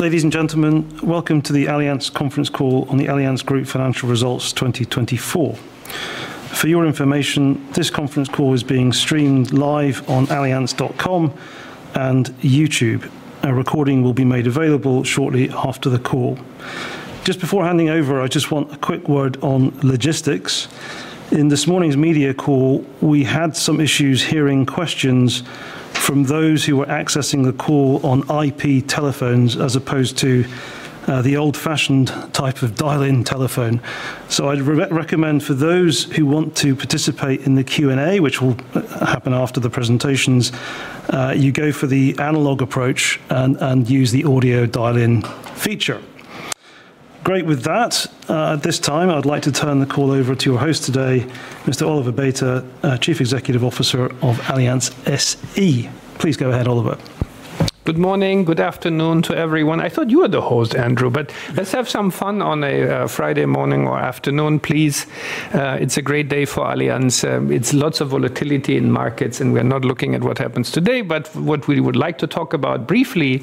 Ladies and gentlemen, welcome to the Allianz conference call on the Allianz Group financial results 2024. For your information, this conference call is being streamed live on allianz.com and YouTube. A recording will be made available shortly after the call. Just before handing over, I just want a quick word on logistics. In this morning's media call, we had some issues hearing questions from those who were accessing the call on IP telephones as opposed to the old-fashioned type of dial-in telephone. So I'd recommend for those who want to participate in the Q&A, which will happen after the presentations, you go for the analog approach and use the audio dial-in feature. Great with that. At this time, I'd like to turn the call over to your host today, Mr. Oliver Bäte, Chief Executive Officer of Allianz SE. Please go ahead, Oliver. Good morning, good afternoon to everyone. I thought you were the host, Andrew, but let's have some fun on a Friday morning or afternoon, please. It's a great day for Allianz. It's lots of volatility in markets, and we're not looking at what happens today, but what we would like to talk about briefly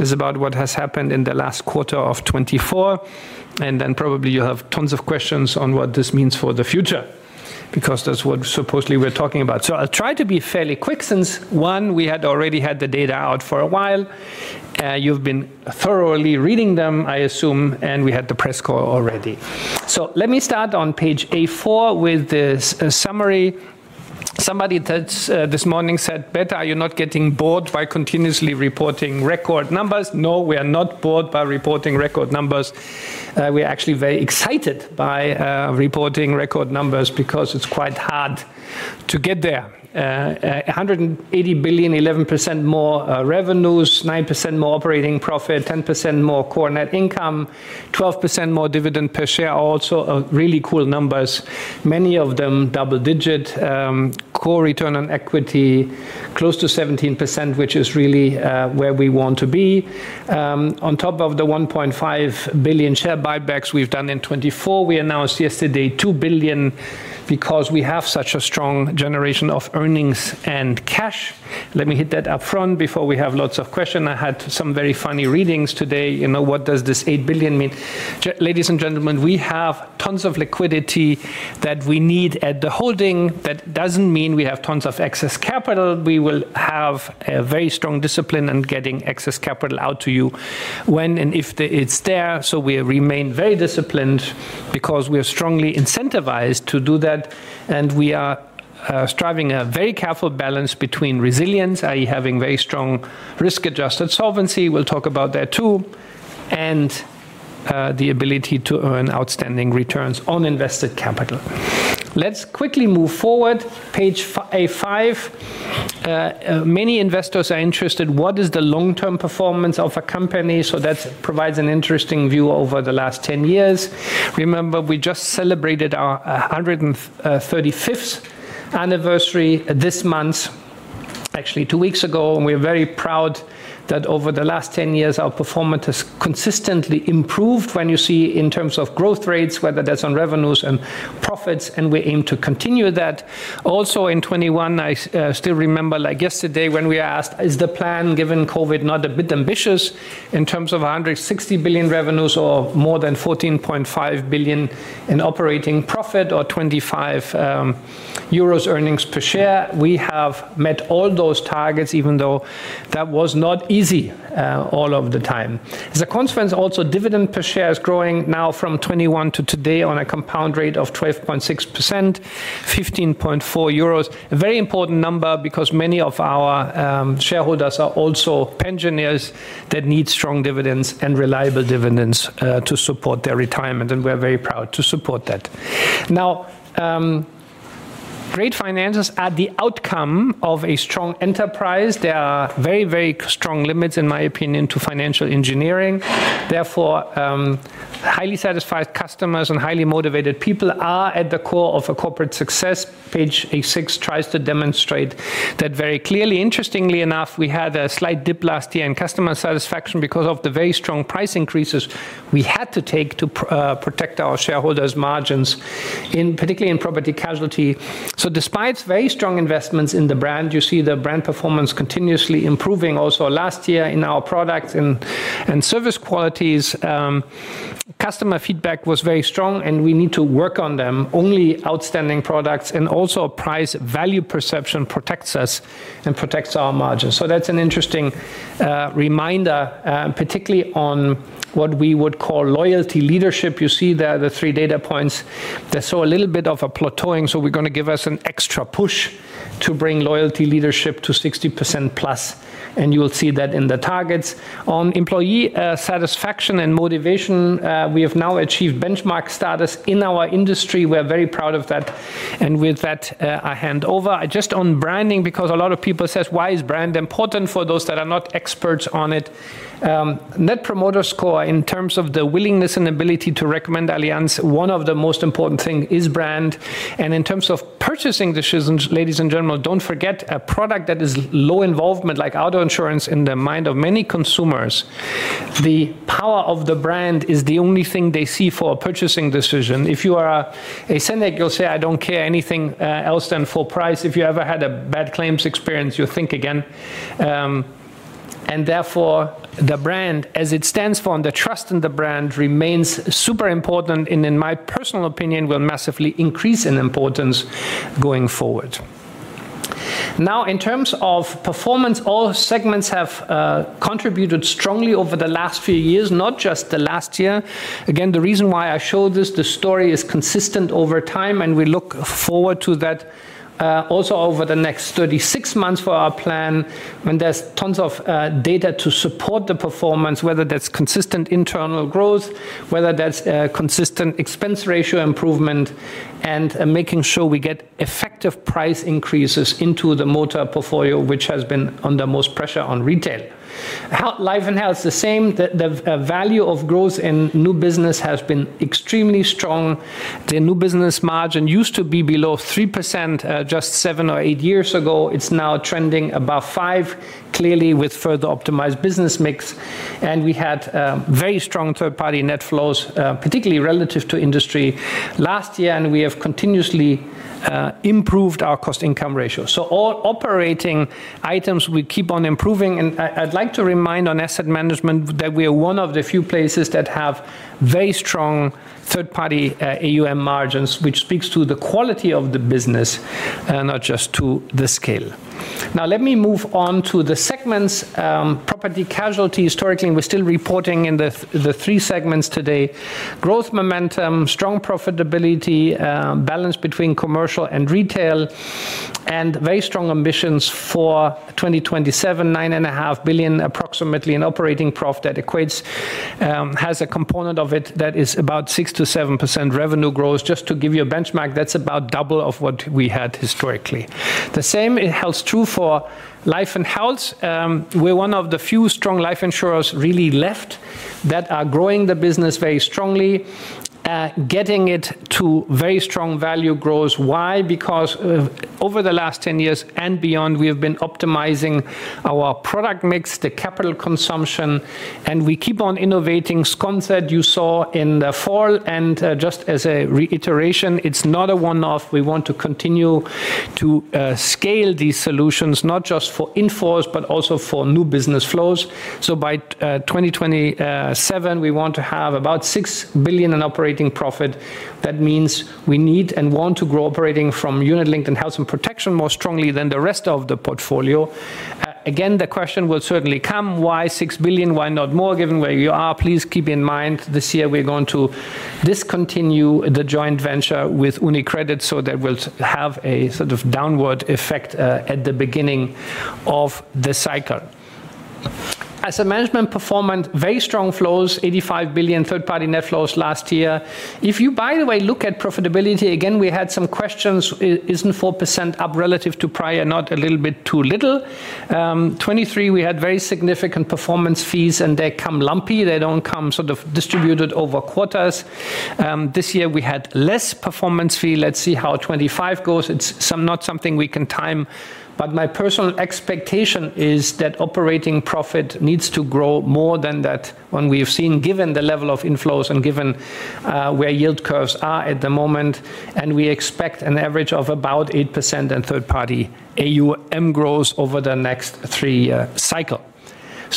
is about what has happened in the last quarter of 2024, and then probably you have tons of questions on what this means for the future, because that's what supposedly we're talking about, so I'll try to be fairly quick, since one, we had already had the data out for a while. You've been thoroughly reading them, I assume, and we had the press call already, so let me start on page A4 with this summary. Somebody this morning said, "Bäte, are you not getting bored by continuously reporting record numbers?" No, we are not bored by reporting record numbers. We are actually very excited by reporting record numbers because it's quite hard to get there. 180 billion, 11% more revenues, 9% more operating profit, 10% more core net income, 12% more dividend per share. Also really cool numbers. Many of them double-digit. Core return on equity, close to 17%, which is really where we want to be. On top of the 1.5 billion share buybacks we've done in 2024, we announced yesterday 2 billion because we have such a strong generation of earnings and cash. Let me hit that upfront before we have lots of questions. I had some very funny readings today. You know, what does this 8 billion mean? Ladies and gentlemen, we have tons of liquidity that we need at the holding. That doesn't mean we have tons of excess capital. We will have a very strong discipline in getting excess capital out to you when and if it's there. So we remain very disciplined because we are strongly incentivized to do that, and we are striving a very careful balance between resilience, i.e., having very strong risk-adjusted solvency, we'll talk about that too, and the ability to earn outstanding returns on invested capital. Let's quickly move forward. Page A5. Many investors are interested. What is the long-term performance of a company? So that provides an interesting view over the last 10 years. Remember, we just celebrated our 135th anniversary this month, actually two weeks ago, and we are very proud that over the last 10 years, our performance has consistently improved when you see in terms of growth rates, whether that's on revenues and profits, and we aim to continue that. Also in 2021, I still remember like yesterday when we asked, is the plan given COVID not a bit ambitious in terms of 160 billion revenues or more than 14.5 billion in operating profit or 25 euros earnings per share? We have met all those targets, even though that was not easy all of the time. As a consequence, also dividend per share is growing now from 2021 to today on a compound rate of 12.6%, 15.4 euros. A very important number because many of our shareholders are also pensioners that need strong dividends and reliable dividends to support their retirement, and we're very proud to support that. Now, great finances are the outcome of a strong enterprise. There are very, very strong limits, in my opinion, to financial engineering. Therefore, highly satisfied customers and highly motivated people are at the core of a corporate success. Page A6 tries to demonstrate that very clearly. Interestingly enough, we had a slight dip last year in customer satisfaction because of the very strong price increases we had to take to protect our shareholders' margins, particularly in property casualty. So despite very strong investments in the brand, you see the brand performance continuously improving. Also last year in our products and service qualities, customer feedback was very strong, and we need to work on them. Only outstanding products and also price value perception protects us and protects our margins. So that's an interesting reminder, particularly on what we would call loyalty leadership. You see there the three data points. They saw a little bit of a plateauing, so we're going to give us an extra push to bring loyalty leadership to 60%+. And you will see that in the targets. On employee satisfaction and motivation, we have now achieved benchmark status in our industry. We're very proud of that. And with that, I hand over. Just on branding, because a lot of people say, why is brand important for those that are not experts on it? Net Promoter Score in terms of the willingness and ability to recommend Allianz, one of the most important things is brand. And in terms of purchasing decisions, ladies and gentlemen, don't forget a product that is low involvement, like auto insurance, in the mind of many consumers. The power of the brand is the only thing they see for a purchasing decision. If you are a cynic, you'll say, I don't care anything else than full price. If you ever had a bad claims experience, you'll think again. Therefore, the brand, as it stands for, and the trust in the brand remains super important. In my personal opinion, will massively increase in importance going forward. Now, in terms of performance, all segments have contributed strongly over the last few years, not just the last year. Again, the reason why I show this, the story is consistent over time, and we look forward to that also over the next 36 months for our plan, when there's tons of data to support the performance, whether that's consistent internal growth, whether that's consistent expense ratio improvement, and making sure we get effective price increases into the motor portfolio, which has been under most pressure on retail. Life and health is the same. The value of growth in new business has been extremely strong. The new business margin used to be below 3% just seven or eight years ago. It's now trending above 5%, clearly with further optimized business mix. And we had very strong third-party net flows, particularly relative to industry last year. And we have continuously improved our cost-income ratio. So all operating items we keep on improving. And I'd like to remind on asset management that we are one of the few places that have very strong third-party AUM margins, which speaks to the quality of the business, not just to the scale. Now, let me move on to the segments. Property-casualty, historically, we're still reporting in the three segments today. Growth momentum, strong profitability, balance between commercial and retail, and very strong ambitions for 2027, 9.5 billion approximately in operating profit that equates has a component of it that is about 6%-7% revenue growth. Just to give you a benchmark, that's about double of what we had historically. The same holds true for life and health. We're one of the few strong life insurers really left that are growing the business very strongly, getting it to very strong value growth. Why? Because over the last 10 years and beyond, we have been optimizing our product mix, the capital consumption, and we keep on innovating. SCOM, that you saw in the fall. And just as a reiteration, it's not a one-off. We want to continue to scale these solutions, not just for in-force, but also for new business flows, so by 2027, we want to have about 6 billion in operating profit. That means we need and want to grow operating from unit-linked and health and protection more strongly than the rest of the portfolio. Again, the question will certainly come, why 6 billion, why not more? Given where you are, please keep in mind this year we're going to discontinue the joint venture with UniCredit so that we'll have a sort of downward effect at the beginning of the cycle. Asset management performance, very strong flows, 85 billion third-party net flows last year. If you, by the way, look at profitability, again, we had some questions. Isn't 4% up relative to prior? Not a little bit too little. 2023, we had very significant performance fees, and they come lumpy. They don't come sort of distributed over quarters. This year we had less performance fee. Let's see how 2025 goes. It's not something we can time, but my personal expectation is that operating profit needs to grow more than that when we have seen, given the level of inflows and given where yield curves are at the moment. We expect an average of about 8% in third-party AUM growth over the next three cycles.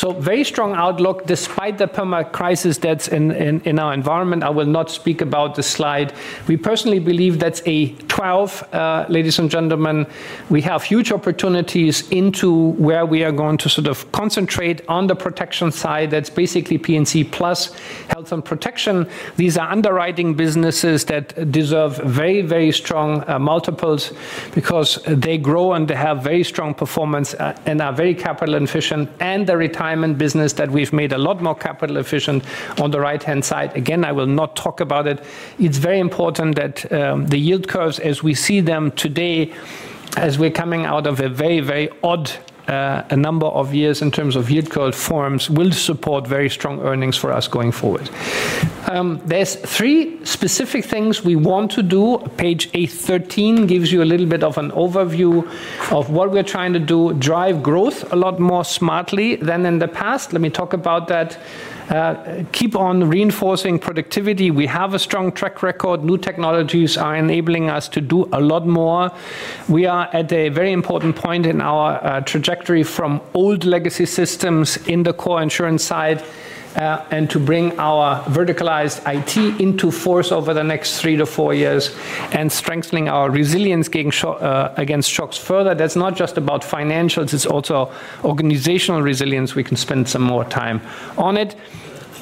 Very strong outlook despite the perma crisis that's in our environment. I will not speak about the slide. We personally believe that's a 12. Ladies and gentlemen, we have huge opportunities into where we are going to sort of concentrate on the protection side. That's basically P&C plus health and protection. These are underwriting businesses that deserve very, very strong multiples because they grow and they have very strong performance and are very capital efficient. The retirement business that we've made a lot more capital efficient on the right-hand side. Again, I will not talk about it. It's very important that the yield curves, as we see them today, as we're coming out of a very, very odd number of years in terms of yield curve forms, will support very strong earnings for us going forward. There's three specific things we want to do. Page A13 gives you a little bit of an overview of what we're trying to do, drive growth a lot more smartly than in the past. Let me talk about that. Keep on reinforcing productivity. We have a strong track record. New technologies are enabling us to do a lot more. We are at a very important point in our trajectory from old legacy systems in the core insurance side and to bring our verticalized IT into force over the next three to four years and strengthening our resilience against shocks further. That's not just about financials. It's also organizational resilience. We can spend some more time on it.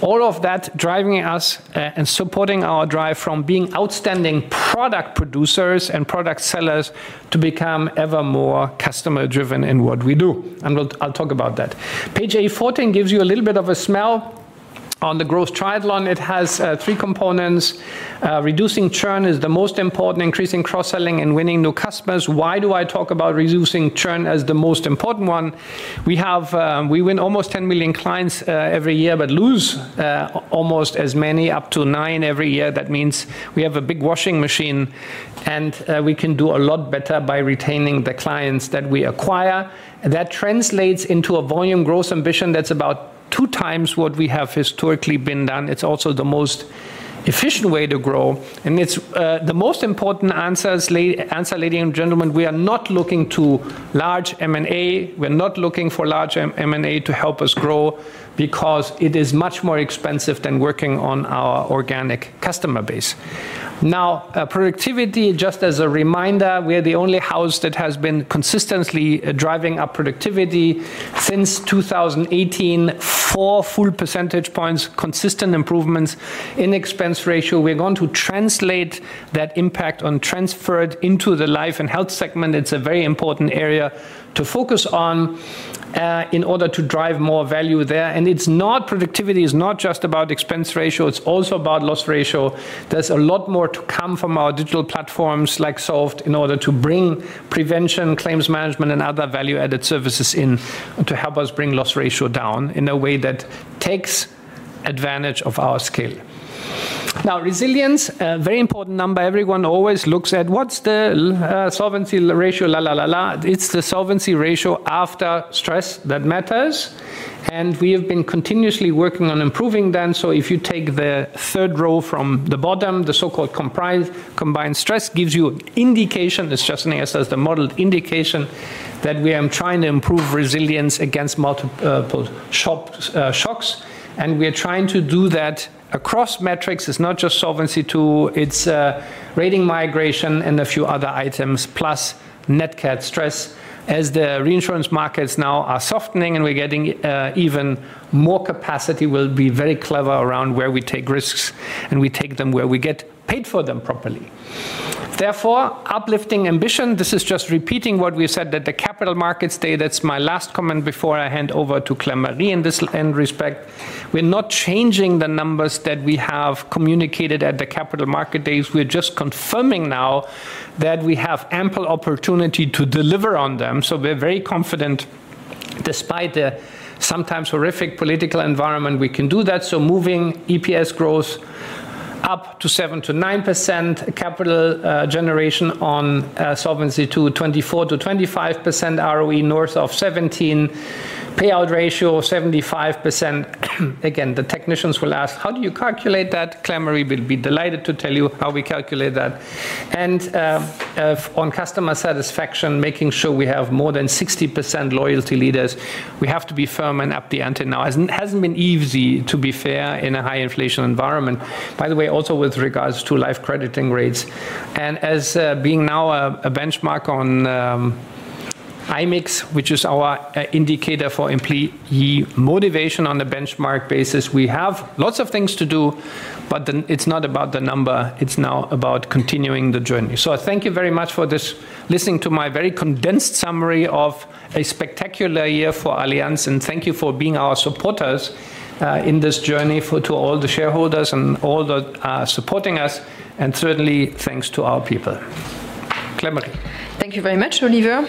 All of that driving us and supporting our drive from being outstanding product producers and product sellers to become ever more customer-driven in what we do, and I'll talk about that. Page A14 gives you a little bit of a sense of the growth triathlon. It has three components. Reducing churn is the most important. Increasing cross-selling and winning new customers. Why do I talk about reducing churn as the most important one? We win almost 10 million clients every year but lose almost as many, up to 9 million every year. That means we have a big washing machine and we can do a lot better by retaining the clients that we acquire. That translates into a volume growth ambition that's about two times what we have historically been done. It's also the most efficient way to grow. It's the most important answer, ladies and gentlemen. We are not looking to large M&A. We're not looking for large M&A to help us grow because it is much more expensive than working on our organic customer base. Now, productivity, just as a reminder, we are the only house that has been consistently driving up productivity since 2018. Four full percentage points, consistent improvements, in expense ratio. We're going to translate that impact on transferred into the life and health segment. It's a very important area to focus on in order to drive more value there. It's not. Productivity is not just about expense ratio. It's also about loss ratio. There's a lot more to come from our digital platforms like solvd in order to bring prevention, claims management, and other value-added services in to help us bring loss ratio down in a way that takes advantage of our scale. Now, resilience, a very important number. Everyone always looks at what's the solvency ratio, la la la la. It's the solvency ratio after stress that matters, and we have been continuously working on improving that, so if you take the third row from the bottom, the so-called combined stress gives you an indication. It's just an S as the model indication that we are trying to improve resilience against multiple shocks, and we are trying to do that across metrics. It's not just Solvency II. It's rating migration and a few other items plus net cap stress. As the reinsurance markets now are softening and we're getting even more capacity, we'll be very clever around where we take risks and we take them where we get paid for them properly. Therefore, uplifting ambition. This is just repeating what we said at the Capital Markets Day. That's my last comment before I hand over to Claire-Marie in this respect. We're not changing the numbers that we have communicated at the Capital Markets Day. We're just confirming now that we have ample opportunity to deliver on them, so we're very confident despite the sometimes horrific political environment, we can do that, so moving EPS growth up to 7%-9%, capital generation on solvency to 24%-25% ROE north of 17%, payout ratio of 75%. Again, the technicians will ask, how do you calculate that? Claire-Marie will be delighted to tell you how we calculate that. And on customer satisfaction, making sure we have more than 60% loyalty leaders. We have to be firm and up the ante now. It hasn't been easy, to be fair, in a high inflation environment. By the way, also with regards to life crediting rates. And as being now a benchmark on IMIX, which is our indicator for employee motivation on a benchmark basis, we have lots of things to do, but it's not about the number. It's now about continuing the journey. So thank you very much. For listening to my very condensed summary of a spectacular year for Allianz. And thank you for being our supporters in this journey to all the shareholders and all that are supporting us. And certainly, thanks to our people. Claire-Marie. Thank you very much, Oliver.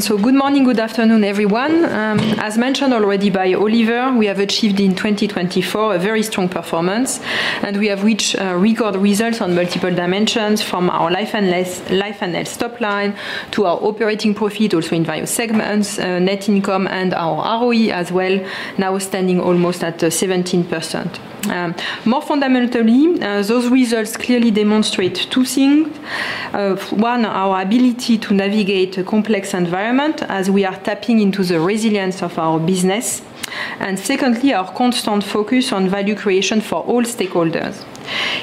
So good morning, good afternoon, everyone. As mentioned already by Oliver, we have achieved in 2024 a very strong performance. And we have reached record results on multiple dimensions from our life and health sub-line to our operating profit also in various segments, net income and our ROE as well, now standing almost at 17%. More fundamentally, those results clearly demonstrate two things. One, our ability to navigate a complex environment as we are tapping into the resilience of our business. And secondly, our constant focus on value creation for all stakeholders.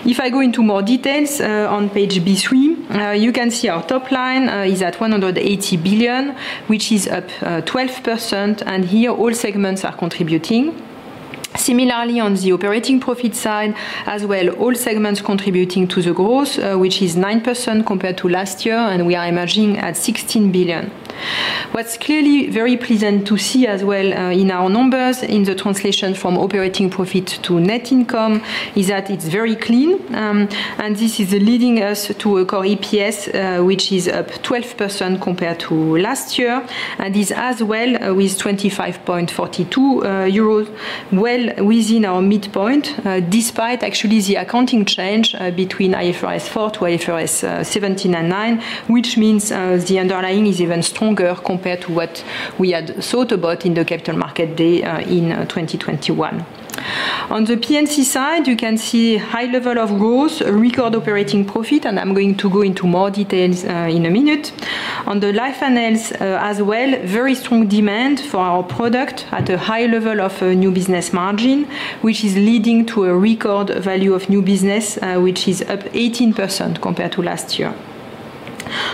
If I go into more details on page B3, you can see our top line is at 180 billion, which is up 12%. And here, all segments are contributing. Similarly, on the operating profit side as well, all segments contributing to the growth, which is 9% compared to last year, and we are emerging at 16 billion. What's clearly very pleasant to see as well in our numbers in the translation from operating profit to net income is that it's very clean, and this is leading us to a core EPS, which is up 12% compared to last year, and this as well with 25.42 euros, well within our midpoint, despite actually the accounting change between IFRS 4 to IFRS 17 and IFRS 9, which means the underlying is even stronger compared to what we had thought about in the Capital Markets Day in 2021. On the P&C side, you can see high level of growth, record operating profit, and I'm going to go into more details in a minute. On the life and health as well, very strong demand for our product at a high level of new business margin, which is leading to a record value of new business, which is up 18% compared to last year.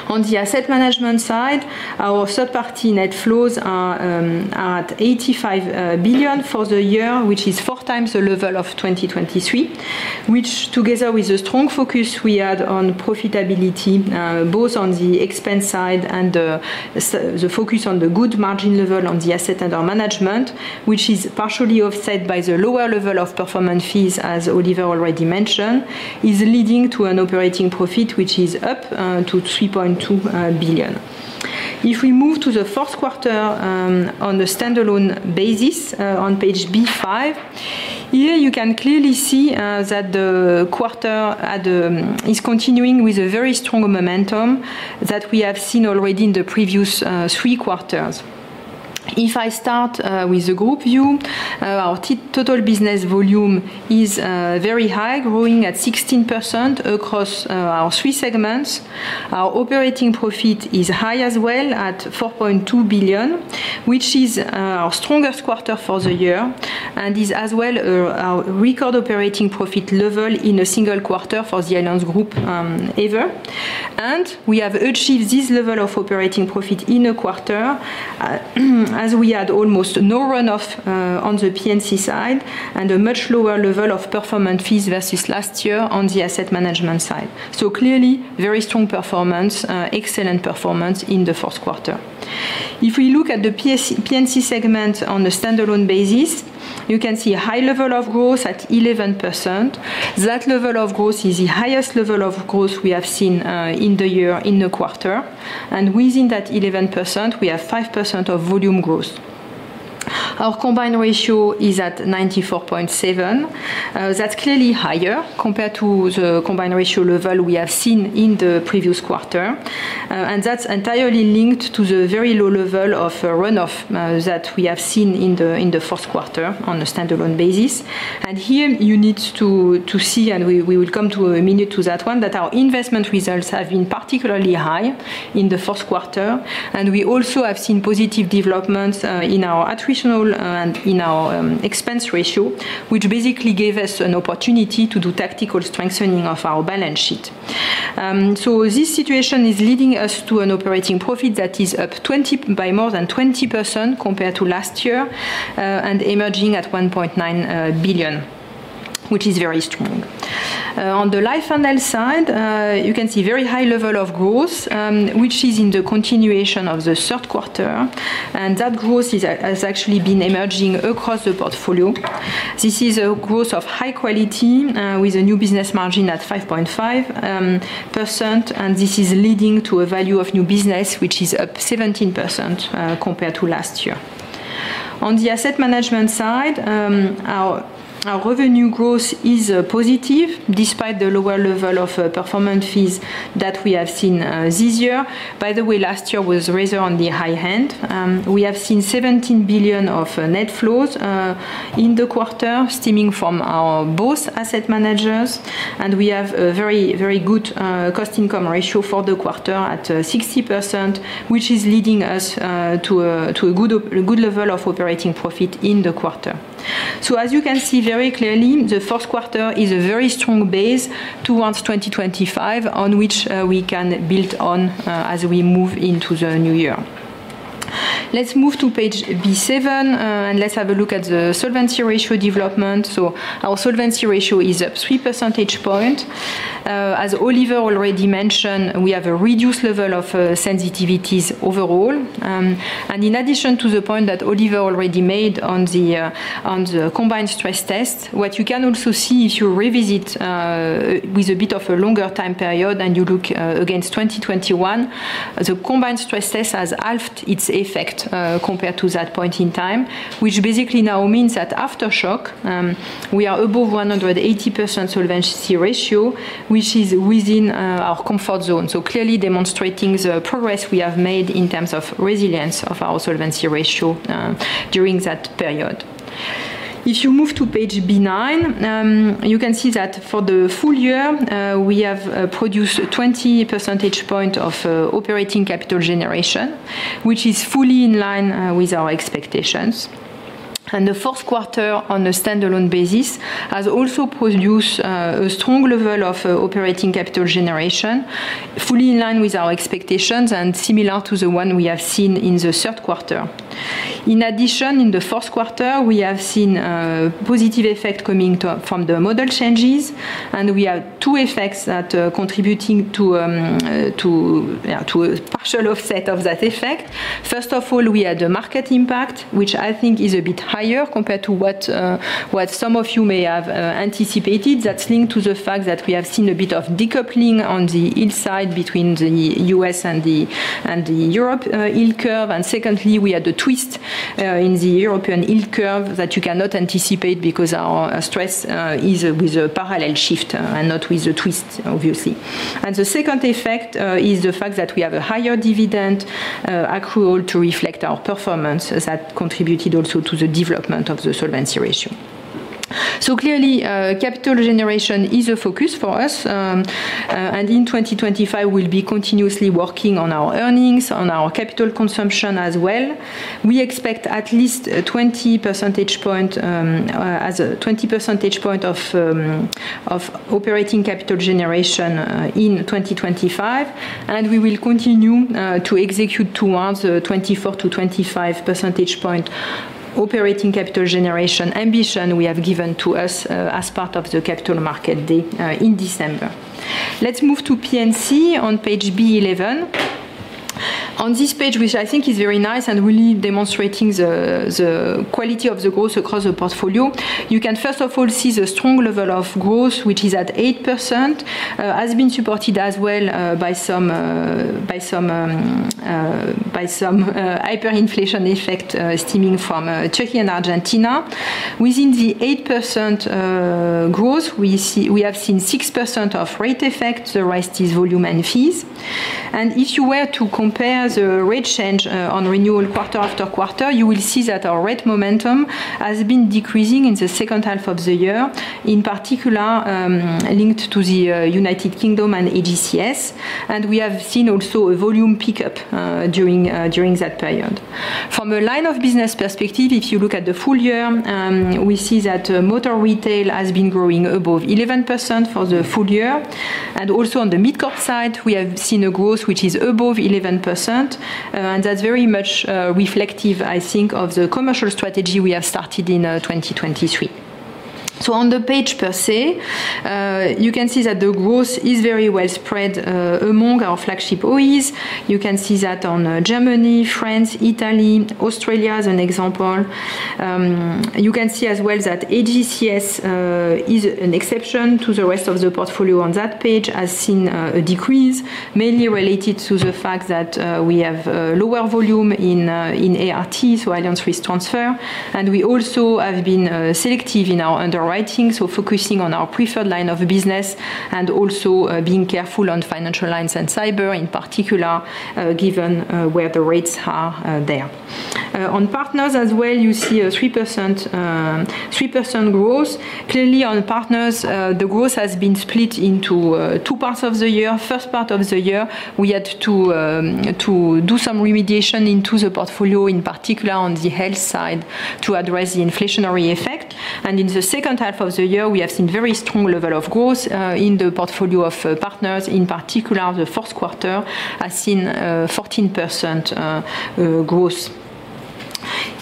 On the asset management side, our third-party net flows are at 85 billion for the year, which is four times the level of 2023, which together with the strong focus we had on profitability, both on the expense side and the focus on the good margin level on the asset under management, which is partially offset by the lower level of performance fees, as Oliver already mentioned, is leading to an operating profit, which is up to 3.2 billion. If we move to the fourth quarter on the standalone basis on page B5, here you can clearly see that the quarter is continuing with a very strong momentum that we have seen already in the previous three quarters. If I start with the group view, our total business volume is very high, growing at 16% across our three segments. Our operating profit is high as well at 4.2 billion, which is our strongest quarter for the year, and this as well is our record operating profit level in a single quarter for the Allianz Group ever, and we have achieved this level of operating profit in a quarter as we had almost no runoff on the P&C side and a much lower level of performance fees versus last year on the asset management side, so clearly, very strong performance, excellent performance in the fourth quarter. If we look at the P&C segment on the standalone basis, you can see a high level of growth at 11%. That level of growth is the highest level of growth we have seen in the year in the quarter. And within that 11%, we have 5% of volume growth. Our combined ratio is at 94.7%. That's clearly higher compared to the combined ratio level we have seen in the previous quarter. And that's entirely linked to the very low level of runoff that we have seen in the fourth quarter on the standalone basis. And here you need to see, and we will come to that in a minute, that our investment results have been particularly high in the fourth quarter. We also have seen positive developments in our attritional and in our expense ratio, which basically gave us an opportunity to do tactical strengthening of our balance sheet. This situation is leading us to an operating profit that is up by more than 20% compared to last year and emerging at 1.9 billion, which is very strong. On the life and health side, you can see a very high level of growth, which is in the continuation of the third quarter. That growth has actually been emerging across the portfolio. This is a growth of high quality with a new business margin at 5.5%. This is leading to a value of new business, which is up 17% compared to last year. On the asset management side, our revenue growth is positive despite the lower level of performance fees that we have seen this year. By the way, last year was razor on the high end. We have seen 17 billion of net flows in the quarter stemming from our both asset managers, and we have a very, very good cost-income ratio for the quarter at 60%, which is leading us to a good level of operating profit in the quarter, so as you can see very clearly, the fourth quarter is a very strong base towards 2025 on which we can build on as we move into the new year. Let's move to page B7 and let's have a look at the solvency ratio development, so our solvency ratio is up 3 percentage points. As Oliver already mentioned, we have a reduced level of sensitivities overall. And in addition to the point that Oliver already made on the combined stress test, what you can also see if you revisit with a bit of a longer time period and you look against 2021, the combined stress test has halved its effect compared to that point in time, which basically now means that after shock, we are above 180% solvency ratio, which is within our comfort zone. So clearly demonstrating the progress we have made in terms of resilience of our solvency ratio during that period. If you move to page B9, you can see that for the full year, we have produced 20 percentage points of operating capital generation, which is fully in line with our expectations. And the fourth quarter on the standalone basis has also produced a strong level of operating capital generation, fully in line with our expectations and similar to the one we have seen in the third quarter. In addition, in the fourth quarter, we have seen positive effects coming from the model changes. And we have two effects that are contributing to a partial offset of that effect. First of all, we had a market impact, which I think is a bit higher compared to what some of you may have anticipated. That's linked to the fact that we have seen a bit of decoupling on the yield side between the U.S. and the European yield curve. And secondly, we had the twist in the European yield curve that you cannot anticipate because our stress is with a parallel shift and not with a twist, obviously. The second effect is the fact that we have a higher dividend accrual to reflect our performance that contributed also to the development of the solvency ratio. Clearly, capital generation is a focus for us. In 2025, we'll be continuously working on our earnings, on our capital consumption as well. We expect at least 20 percentage points of operating capital generation in 2025. We will continue to execute towards the 24 to 25 percentage points operating capital generation ambition we have given to us as part of the Capital Markets Day in December. Let's move to P&C on page B11. On this page, which I think is very nice and really demonstrating the quality of the growth across the portfolio, you can first of all see the strong level of growth, which is at 8%, has been supported as well by some hyperinflation effect stemming from Turkey and Argentina. Within the 8% growth, we have seen 6% of rate effect. The rest is volume and fees. And if you were to compare the rate change on renewal quarter-after-quarter, you will see that our rate momentum has been decreasing in the second half of the year, in particular linked to the United Kingdom and AGCS. And we have seen also a volume pickup during that period. From a line of business perspective, if you look at the full year, we see that motor retail has been growing above 11% for the full year. And also on the mid-corp side, we have seen a growth which is above 11%. And that's very much reflective, I think, of the commercial strategy we have started in 2023. So on the page per se, you can see that the growth is very well spread among our flagship OEs. You can see that on Germany, France, Italy, Australia as an example. You can see as well that AGCS is an exception to the rest of the portfolio on that page has seen a decrease, mainly related to the fact that we have lower volume in ART, so Allianz Risk Transfer. And we also have been selective in our underwriting, so focusing on our preferred line of business and also being careful on financial lines and cyber, in particular, given where the rates are there. On partners as well, you see a 3% growth. Clearly, on partners, the growth has been split into two parts of the year. First part of the year, we had to do some remediation into the portfolio, in particular on the health side to address the inflationary effect. In the second half of the year, we have seen a very strong level of growth in the portfolio of partners. In particular, the fourth quarter has seen a 14% growth.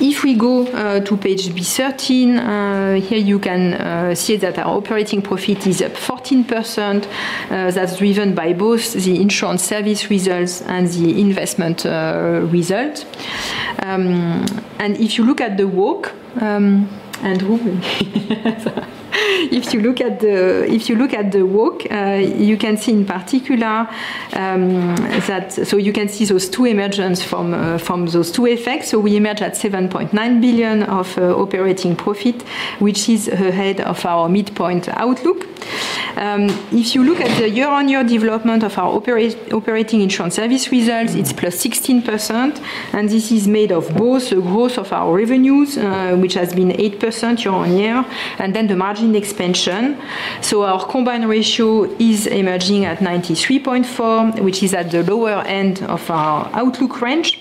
If we go to page B13, here you can see that our operating profit is up 14%. That's driven by both the insurance service results and the investment results. If you look at the chart, you can see in particular that, so you can see those two emergence from those two effects. We emerged at 7.9 billion of operating profit, which is ahead of our midpoint outlook. If you look at the year-on-year development of our operating insurance service results, it's +16%. And this is made of both the growth of our revenues, which has been 8% year-on-year, and then the margin expansion. So our combined ratio is emerging at 93.4, which is at the lower end of our outlook range.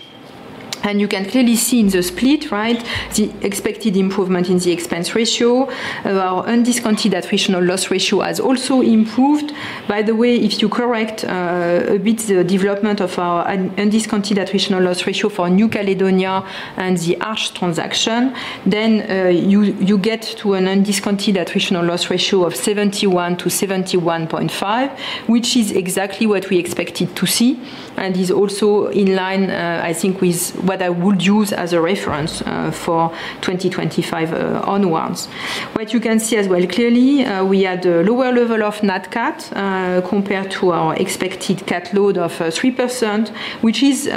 And you can clearly see in the split, right, the expected improvement in the expense ratio. Our undiscounted attritional loss ratio has also improved. By the way, if you correct a bit the development of our undiscounted attritional loss ratio for New Caledonia and the Arch transaction, then you get to an undiscounted attritional loss ratio of 71-71.5, which is exactly what we expected to see. And it's also in line, I think, with what I would use as a reference for 2025 onwards. What you can see as well, clearly, we had a lower level of NatCat compared to our expected CAT load of 3%, which is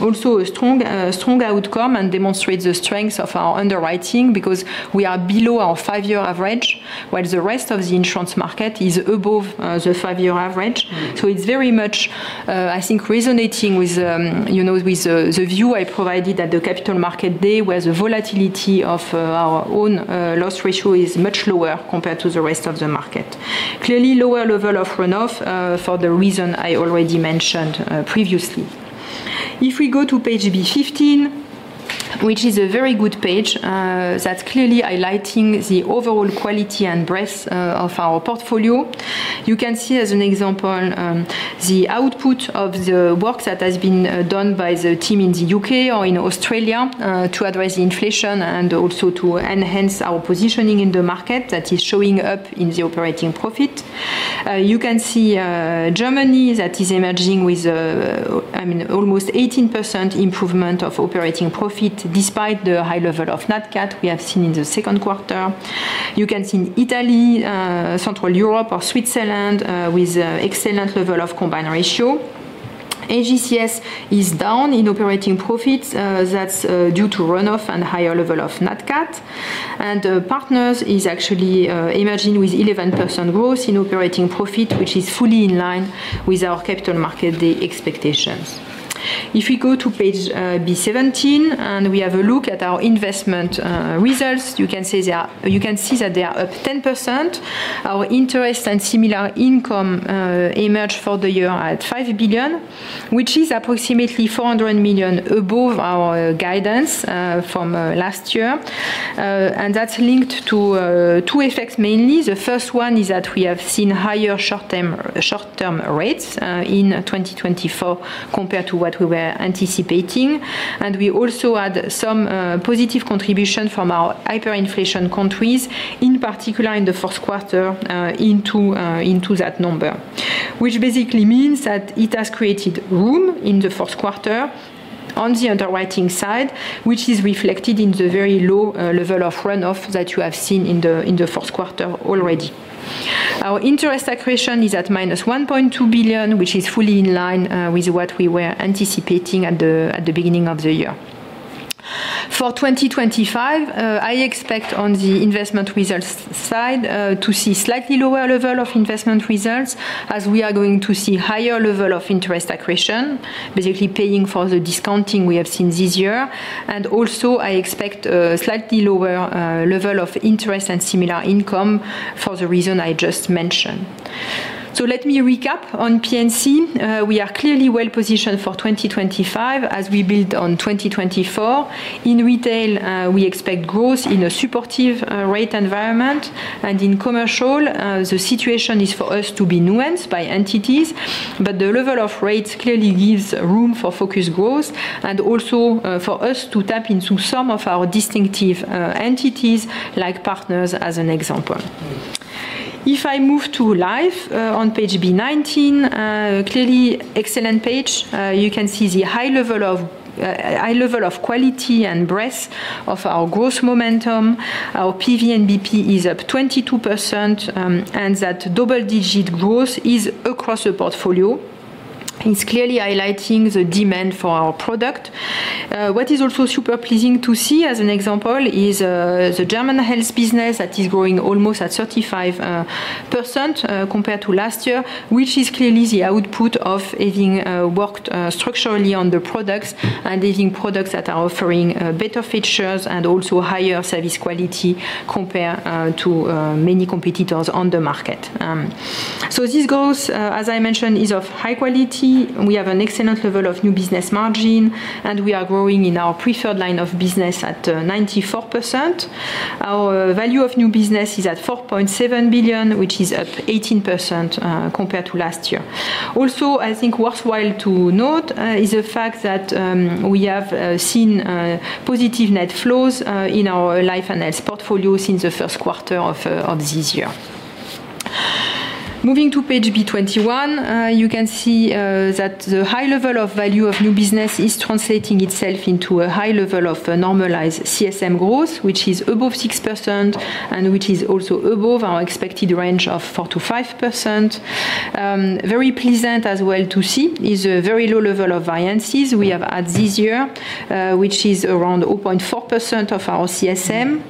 also a strong outcome and demonstrates the strength of our underwriting because we are below our five-year average, while the rest of the insurance market is above the five-year average. So it's very much, I think, resonating with the view I provided at the Capital Markets Day where the volatility of our own loss ratio is much lower compared to the rest of the market. Clearly, lower level of runoff for the reason I already mentioned previously. If we go to page B15, which is a very good page, that's clearly highlighting the overall quality and breadth of our portfolio. You can see as an example the output of the work that has been done by the team in the U.K. or in Australia to address the inflation and also to enhance our positioning in the market that is showing up in the operating profit. You can see Germany that is emerging with almost 18% improvement of operating profit despite the high level of NatCat we have seen in the second quarter. You can see Italy, Central Europe, or Switzerland with an excellent level of combined ratio. AGCS is down in operating profits. That's due to runoff and higher level of NatCat, and the partners is actually emerging with 11% growth in operating profit, which is fully in line with our Capital Markets Day expectations. If we go to page B17 and we have a look at our investment results, you can see that they are up 10%. Our interest and similar income emerged for the year at 5 billion, which is approximately 400 million above our guidance from last year. And that's linked to two effects mainly. The first one is that we have seen higher short-term rates in 2024 compared to what we were anticipating. And we also had some positive contribution from our hyperinflation countries, in particular in the fourth quarter into that number, which basically means that it has created room in the fourth quarter on the underwriting side, which is reflected in the very low level of runoff that you have seen in the fourth quarter already. Our interest accretion is at -1.2 billion, which is fully in line with what we were anticipating at the beginning of the year. For 2025, I expect on the investment results side to see slightly lower level of investment results as we are going to see higher level of interest accretion, basically paying for the discounting we have seen this year. And also, I expect a slightly lower level of interest and similar income for the reason I just mentioned. So let me recap on P&C. We are clearly well positioned for 2025 as we build on 2024. In retail, we expect growth in a supportive rate environment. And in commercial, the situation is for us to be nuanced by entities, but the level of rates clearly gives room for focused growth and also for us to tap into some of our distinctive entities like partners as an example. If I move to life on page B19, clearly excellent page. You can see the high level of quality and breadth of our growth momentum. Our PVNBP is up 22%, and that double-digit growth is across the portfolio. It's clearly highlighting the demand for our product. What is also super pleasing to see as an example is the German health business that is growing almost at 35% compared to last year, which is clearly the output of having worked structurally on the products and having products that are offering better features and also higher service quality compared to many competitors on the market. So this growth, as I mentioned, is of high quality. We have an excellent level of new business margin, and we are growing in our preferred line of business at 94%. Our value of new business is at 4.7 billion, which is up 18% compared to last year. Also, I think worthwhile to note is the fact that we have seen positive net flows in our life and health portfolio since the first quarter of this year. Moving to page B21, you can see that the high level of value of new business is translating itself into a high level of normalized CSM growth, which is above 6% and which is also above our expected range of 4%-5%. Very pleasant as well to see is a very low level of variances we have had this year, which is around 0.4% of our CSM.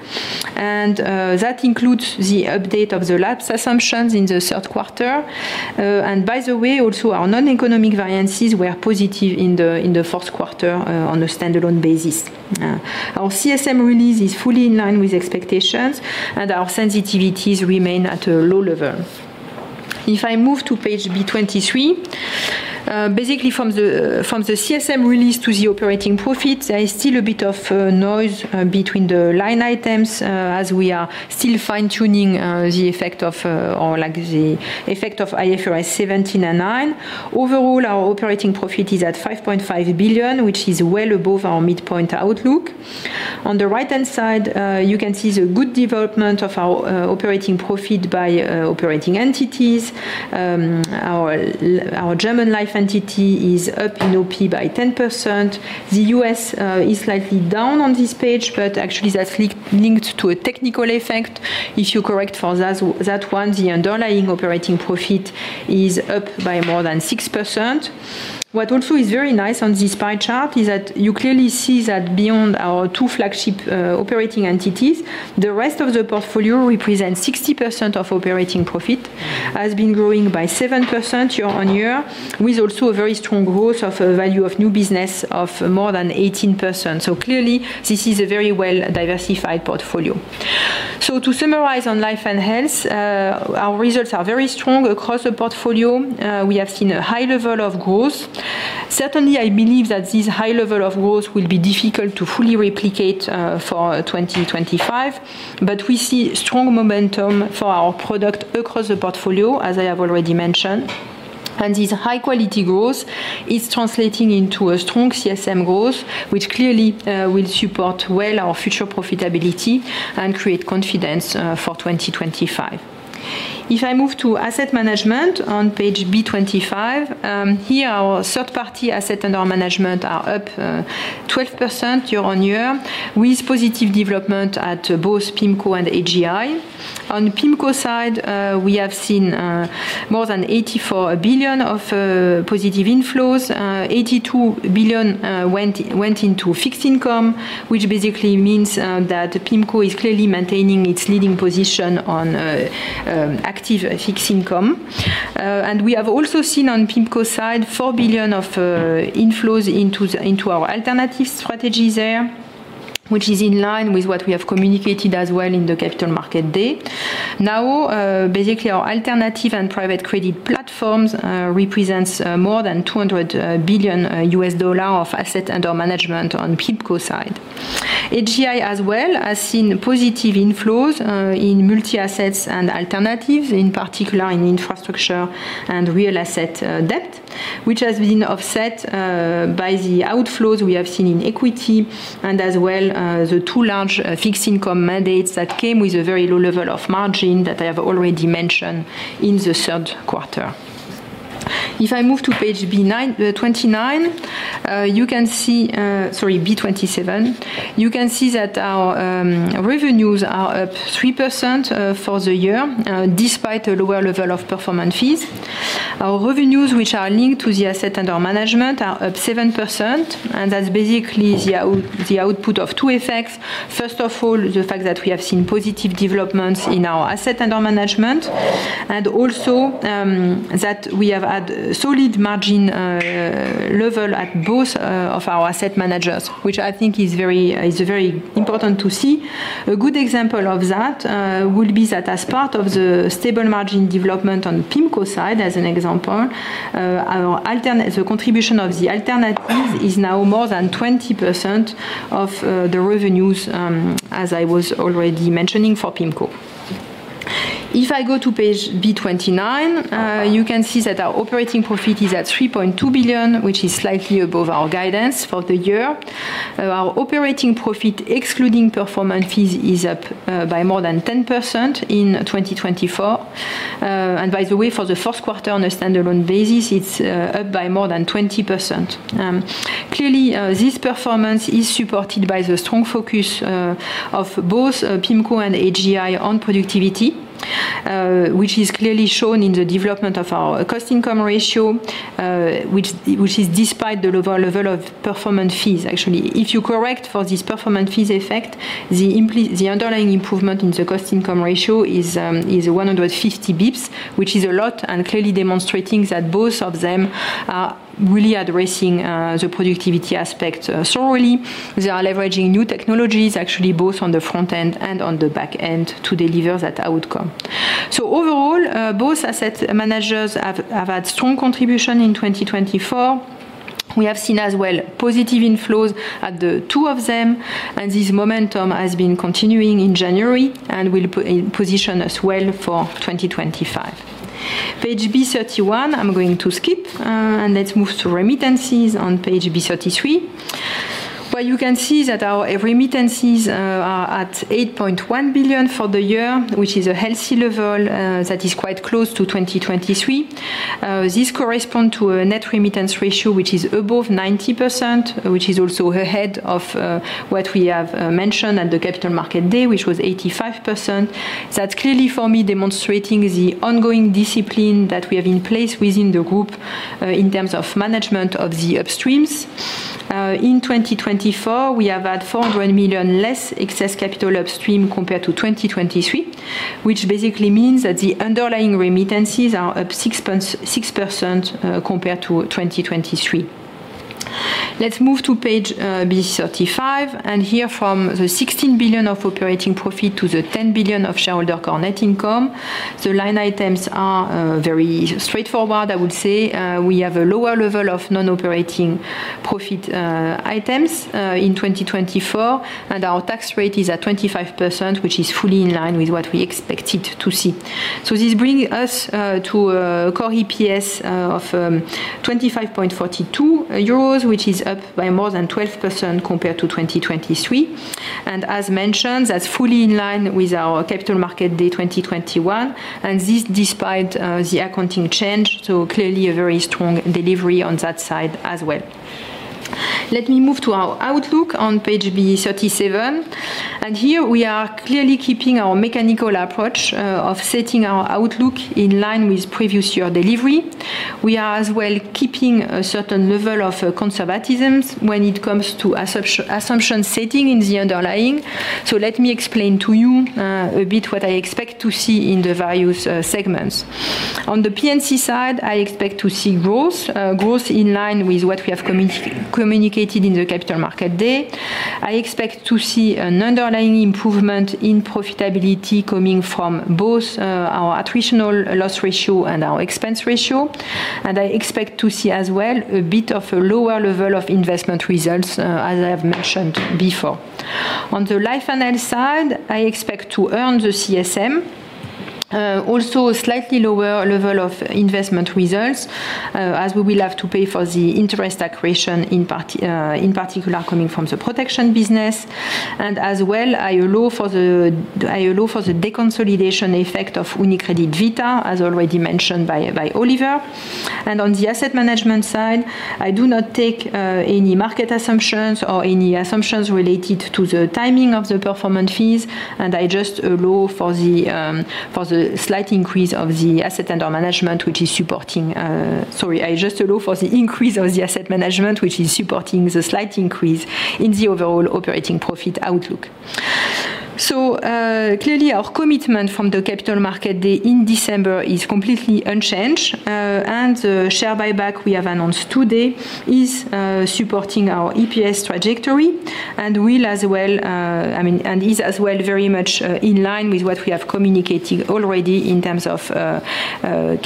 And that includes the update of the lapse assumptions in the third quarter. And by the way, also our non-economic variances were positive in the fourth quarter on a standalone basis. Our CSM release is fully in line with expectations, and our sensitivities remain at a low level. If I move to page B23, basically from the CSM release to the operating profit, there is still a bit of noise between the line items as we are still fine-tuning the effect of IFRS 17 and IFRS 9. Overall, our operating profit is at 5.5 billion, which is well above our midpoint outlook. On the right-hand side, you can see the good development of our operating profit by operating entities. Our German life entity is up in OP by 10%. The U.S. is slightly down on this page, but actually that's linked to a technical effect. If you correct for that one, the underlying operating profit is up by more than 6%. What also is very nice on this pie chart is that you clearly see that beyond our two flagship operating entities, the rest of the portfolio represents 60% of operating profit has been growing by 7% year-on-year with also a very strong growth of value of new business of more than 18%. So clearly, this is a very well-diversified portfolio. So to summarize on life and health, our results are very strong across the portfolio. We have seen a high level of growth. Certainly, I believe that this high level of growth will be difficult to fully replicate for 2025, but we see strong momentum for our product across the portfolio, as I have already mentioned. And this high-quality growth is translating into a strong CSM growth, which clearly will support well our future profitability and create confidence for 2025. If I move to asset management on page B25, here our third-party asset under management are up 12% year-on-year with positive development at both PIMCO and AGI. On PIMCO side, we have seen more than $84 billion of positive inflows. $82 billion went into fixed income, which basically means that PIMCO is clearly maintaining its leading position on active fixed income. And we have also seen on PIMCO side $4 billion of inflows into our alternative strategy there, which is in line with what we have communicated as well in the Capital Markets Day. Now, basically, our alternative and private credit platforms represents more than $200 billion of asset under management on PIMCO side. AGI as well has seen positive inflows in multi-assets and alternatives, in particular in infrastructure and real asset debt, which has been offset by the outflows we have seen in equity and as well the two large fixed income mandates that came with a very low level of margin that I have already mentioned in the third quarter. If I move to page B29, you can see sorry, B27, you can see that our revenues are up 3% for the year despite a lower level of performance fees. Our revenues, which are linked to the asset under management, are up 7%. And that's basically the output of two effects. First of all, the fact that we have seen positive developments in our asset under management and also that we have had solid margin level at both of our asset managers, which I think is very important to see. A good example of that will be that as part of the stable margin development on PIMCO side, as an example, the contribution of the alternatives is now more than 20% of the revenues, as I was already mentioning for PIMCO. If I go to page B29, you can see that our operating profit is at 3.2 billion, which is slightly above our guidance for the year. Our operating profit excluding performance fees is up by more than 10% in 2024, and by the way, for the fourth quarter on a standalone basis, it's up by more than 20%. Clearly, this performance is supported by the strong focus of both PIMCO and AGI on productivity, which is clearly shown in the development of our cost-income ratio, which is despite the lower level of performance fees. Actually, if you correct for this performance fees effect, the underlying improvement in the cost-income ratio is 150 basis points, which is a lot and clearly demonstrating that both of them are really addressing the productivity aspect strongly. They are leveraging new technologies, actually both on the front end and on the back end to deliver that outcome. So overall, both asset managers have had strong contribution in 2024. We have seen as well positive inflows at the two of them, and this momentum has been continuing in January and will position us well for 2025. Page B31, I'm going to skip, and let's move to remittances on page B33, where you can see that our remittances are at 8.1 billion for the year, which is a healthy level that is quite close to 2023. This corresponds to a net remittance ratio, which is above 90%, which is also ahead of what we have mentioned at the Capital Markets Day, which was 85%. That's clearly for me demonstrating the ongoing discipline that we have in place within the group in terms of management of the upstreams. In 2024, we have had 400 million less excess capital upstream compared to 2023, which basically means that the underlying remittances are up 6% compared to 2023. Let's move to page B35, and here from the 16 billion of operating profit to the 10 billion of shareholder attributable income, the line items are very straightforward, I would say. We have a lower level of non-operating profit items in 2024, and our tax rate is at 25%, which is fully in line with what we expected to see. This brings us to a core EPS of 25.42 euros, which is up by more than 12% compared to 2023. As mentioned, that's fully in line with our Capital Markets Day 2021, and this despite the accounting change. Clearly, a very strong delivery on that side as well. Let me move to our outlook on page B37. Here we are clearly keeping our mechanical approach of setting our outlook in line with previous year delivery. We are as well keeping a certain level of conservatism when it comes to assumption setting in the underlying. Let me explain to you a bit what I expect to see in the various segments. On the P&C side, I expect to see growth, growth in line with what we have communicated in the Capital Markets Day. I expect to see an underlying improvement in profitability coming from both our attritional loss ratio and our expense ratio. And I expect to see as well a bit of a lower level of investment results, as I have mentioned before. On the life and health side, I expect to earn the CSM, also a slightly lower level of investment results as we will have to pay for the interest accretion, in particular coming from the protection business. And as well, I allow for the deconsolidation effect of UniCredit Vita, as already mentioned by Oliver. And on the asset management side, I do not take any market assumptions or any assumptions related to the timing of the performance fees, and I just allow for the slight increase of the asset under management, which is supporting sorry, I just allow for the increase of the asset management, which is supporting the slight increase in the overall operating profit outlook. So clearly, our commitment from the Capital Markets Day in December is completely unchanged, and the share buyback we have announced today is supporting our EPS trajectory and will as well I mean, and is as well very much in line with what we have communicated already in terms of overall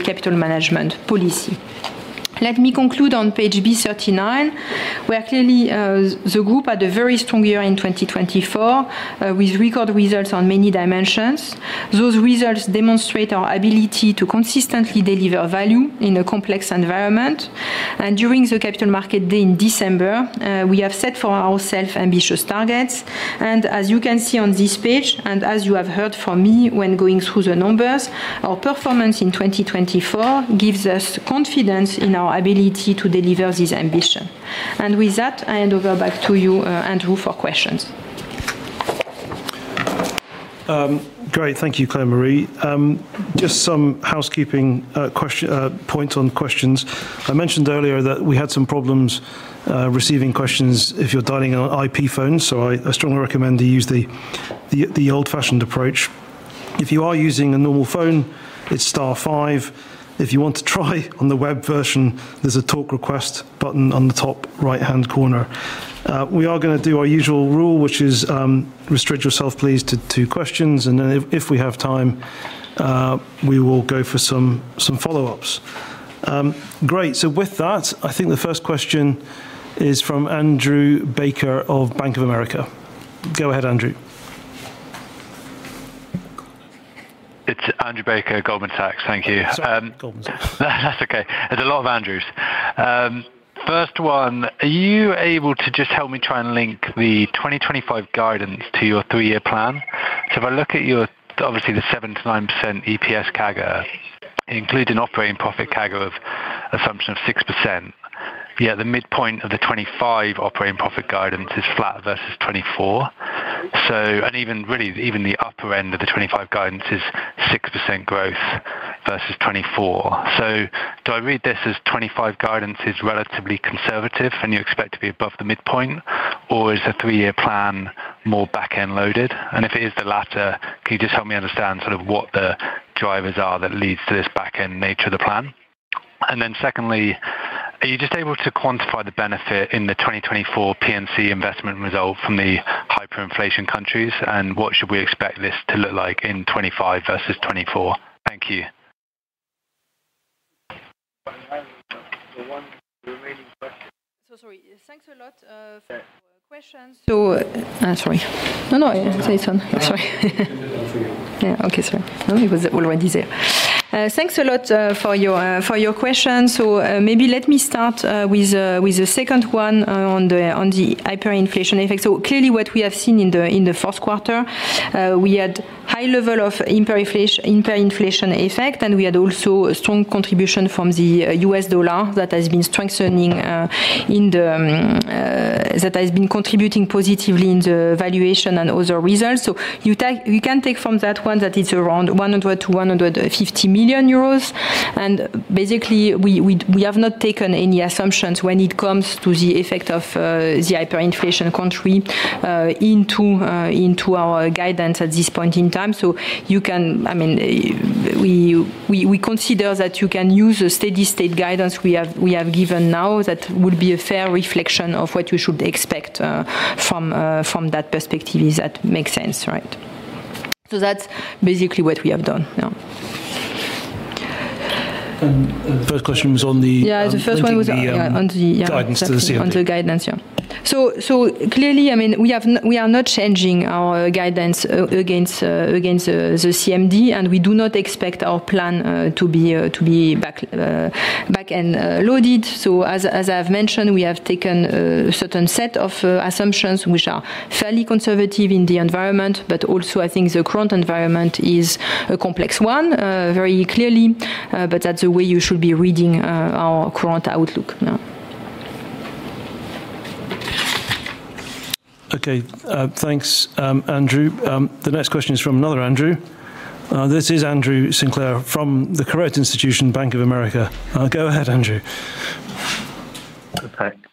capital management policy. Let me conclude on page B39, where clearly the group had a very strong year in 2024 with record results on many dimensions. Those results demonstrate our ability to consistently deliver value in a complex environment. And during the Capital Markets Day in December, we have set for ourselves ambitious targets. And as you can see on this page, and as you have heard from me when going through the numbers, our performance in 2024 gives us confidence in our ability to deliver this ambition. And with that, I hand over back to you, Andrew, for questions. Great. Thank you, Claire-Marie. Just some housekeeping points on questions. I mentioned earlier that we had some problems receiving questions if you're dialing on IP phones, so I strongly recommend you use the old-fashioned approach. If you are using a normal phone, it's star five. If you want to try on the web version, there's a talk request button on the top right-hand corner. We are going to do our usual rule, which is restrict yourself, please, to two questions, and then if we have time, we will go for some follow-ups. Great. So with that, I think the first question is from Andrew Baker of Bank of America. Go ahead, Andrew. It's Andrew Baker, Goldman Sachs. Thank you. That's okay. There's a lot of Andrews. First one, are you able to just help me try and link the 2025 guidance to your three-year plan? So if I look at your, obviously, the 7%-9% EPS CAGR, including operating profit CAGR of assumption of 6%, yet the midpoint of the 25 operating profit guidance is flat versus 24. So and even really, even the upper end of the 25 guidance is 6% growth versus 24. So do I read this as 25 guidance is relatively conservative and you expect to be above the midpoint, or is the three-year plan more back-end loaded? And if it is the latter, can you just help me understand sort of what the drivers are that lead to this back-end nature of the plan? And then secondly, are you just able to quantify the benefit in the 2024 P&C investment result from the hyperinflation countries, and what should we expect this to look like in 25 versus 24? Thank you. Thanks a lot for your questions. So maybe let me start with the second one on the hyperinflation effect. So clearly, what we have seen in the fourth quarter, we had high level of hyperinflation effect, and we had also strong contribution from the U.S. dollar that has been strengthening that has been contributing positively in the valuation and other results. So you can take from that one that it's around 100 million-150 million euros. And basically, we have not taken any assumptions when it comes to the effect of the hyperinflation country into our guidance at this point in time. So you can I mean, we consider that you can use the steady state guidance we have given now that would be a fair reflection of what you should expect from that perspective if that makes sense, right? So that's basically what we have done now. And the first question was on the guidance. Yeah, the first one was on the guidance. On the guidance, yeah. So clearly, I mean, we are not changing our guidance against the CMD, and we do not expect our plan to be back-end loaded. So as I have mentioned, we have taken a certain set of assumptions which are fairly conservative in the environment, but also I think the current environment is a complex one, very clearly, but that's the way you should be reading our current outlook. Okay. Thanks, Andrew. The next question is from another Andrew. This is Andrew Sinclair from Bank of America. Go ahead, Andrew.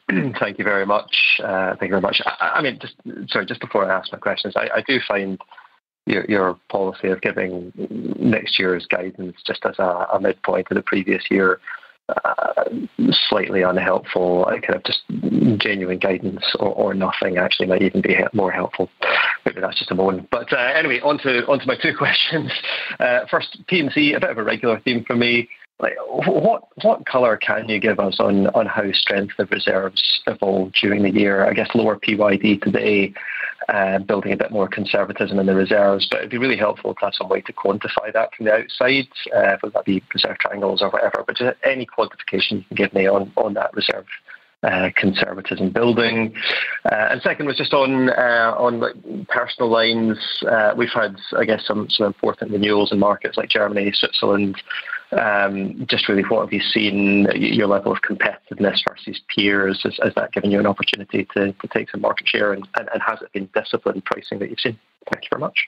Thank you very much. Thank you very much. I mean, sorry, just before I ask my questions, I do find your policy of giving next year's guidance just as a midpoint of the previous year slightly unhelpful. I kind of just genuine guidance or nothing actually might even be more helpful. Maybe that's just a moment. But anyway, onto my two questions. First, P&C, a bit of a regular theme for me. What color can you give us on how strength of reserves evolve during the year? I guess lower PYD today, building a bit more conservatism in the reserves. But it'd be really helpful to have some way to quantify that from the outside, whether that be reserve triangles or whatever. But any quantification you can give me on that reserve conservatism building. And second was just on personal lines, we've had, I guess, some important renewals in markets like Germany, Switzerland. Just really what have you seen, your level of competitiveness versus peers? Has that given you an opportunity to take some market share, and has it been disciplined pricing that you've seen? Thank you very much.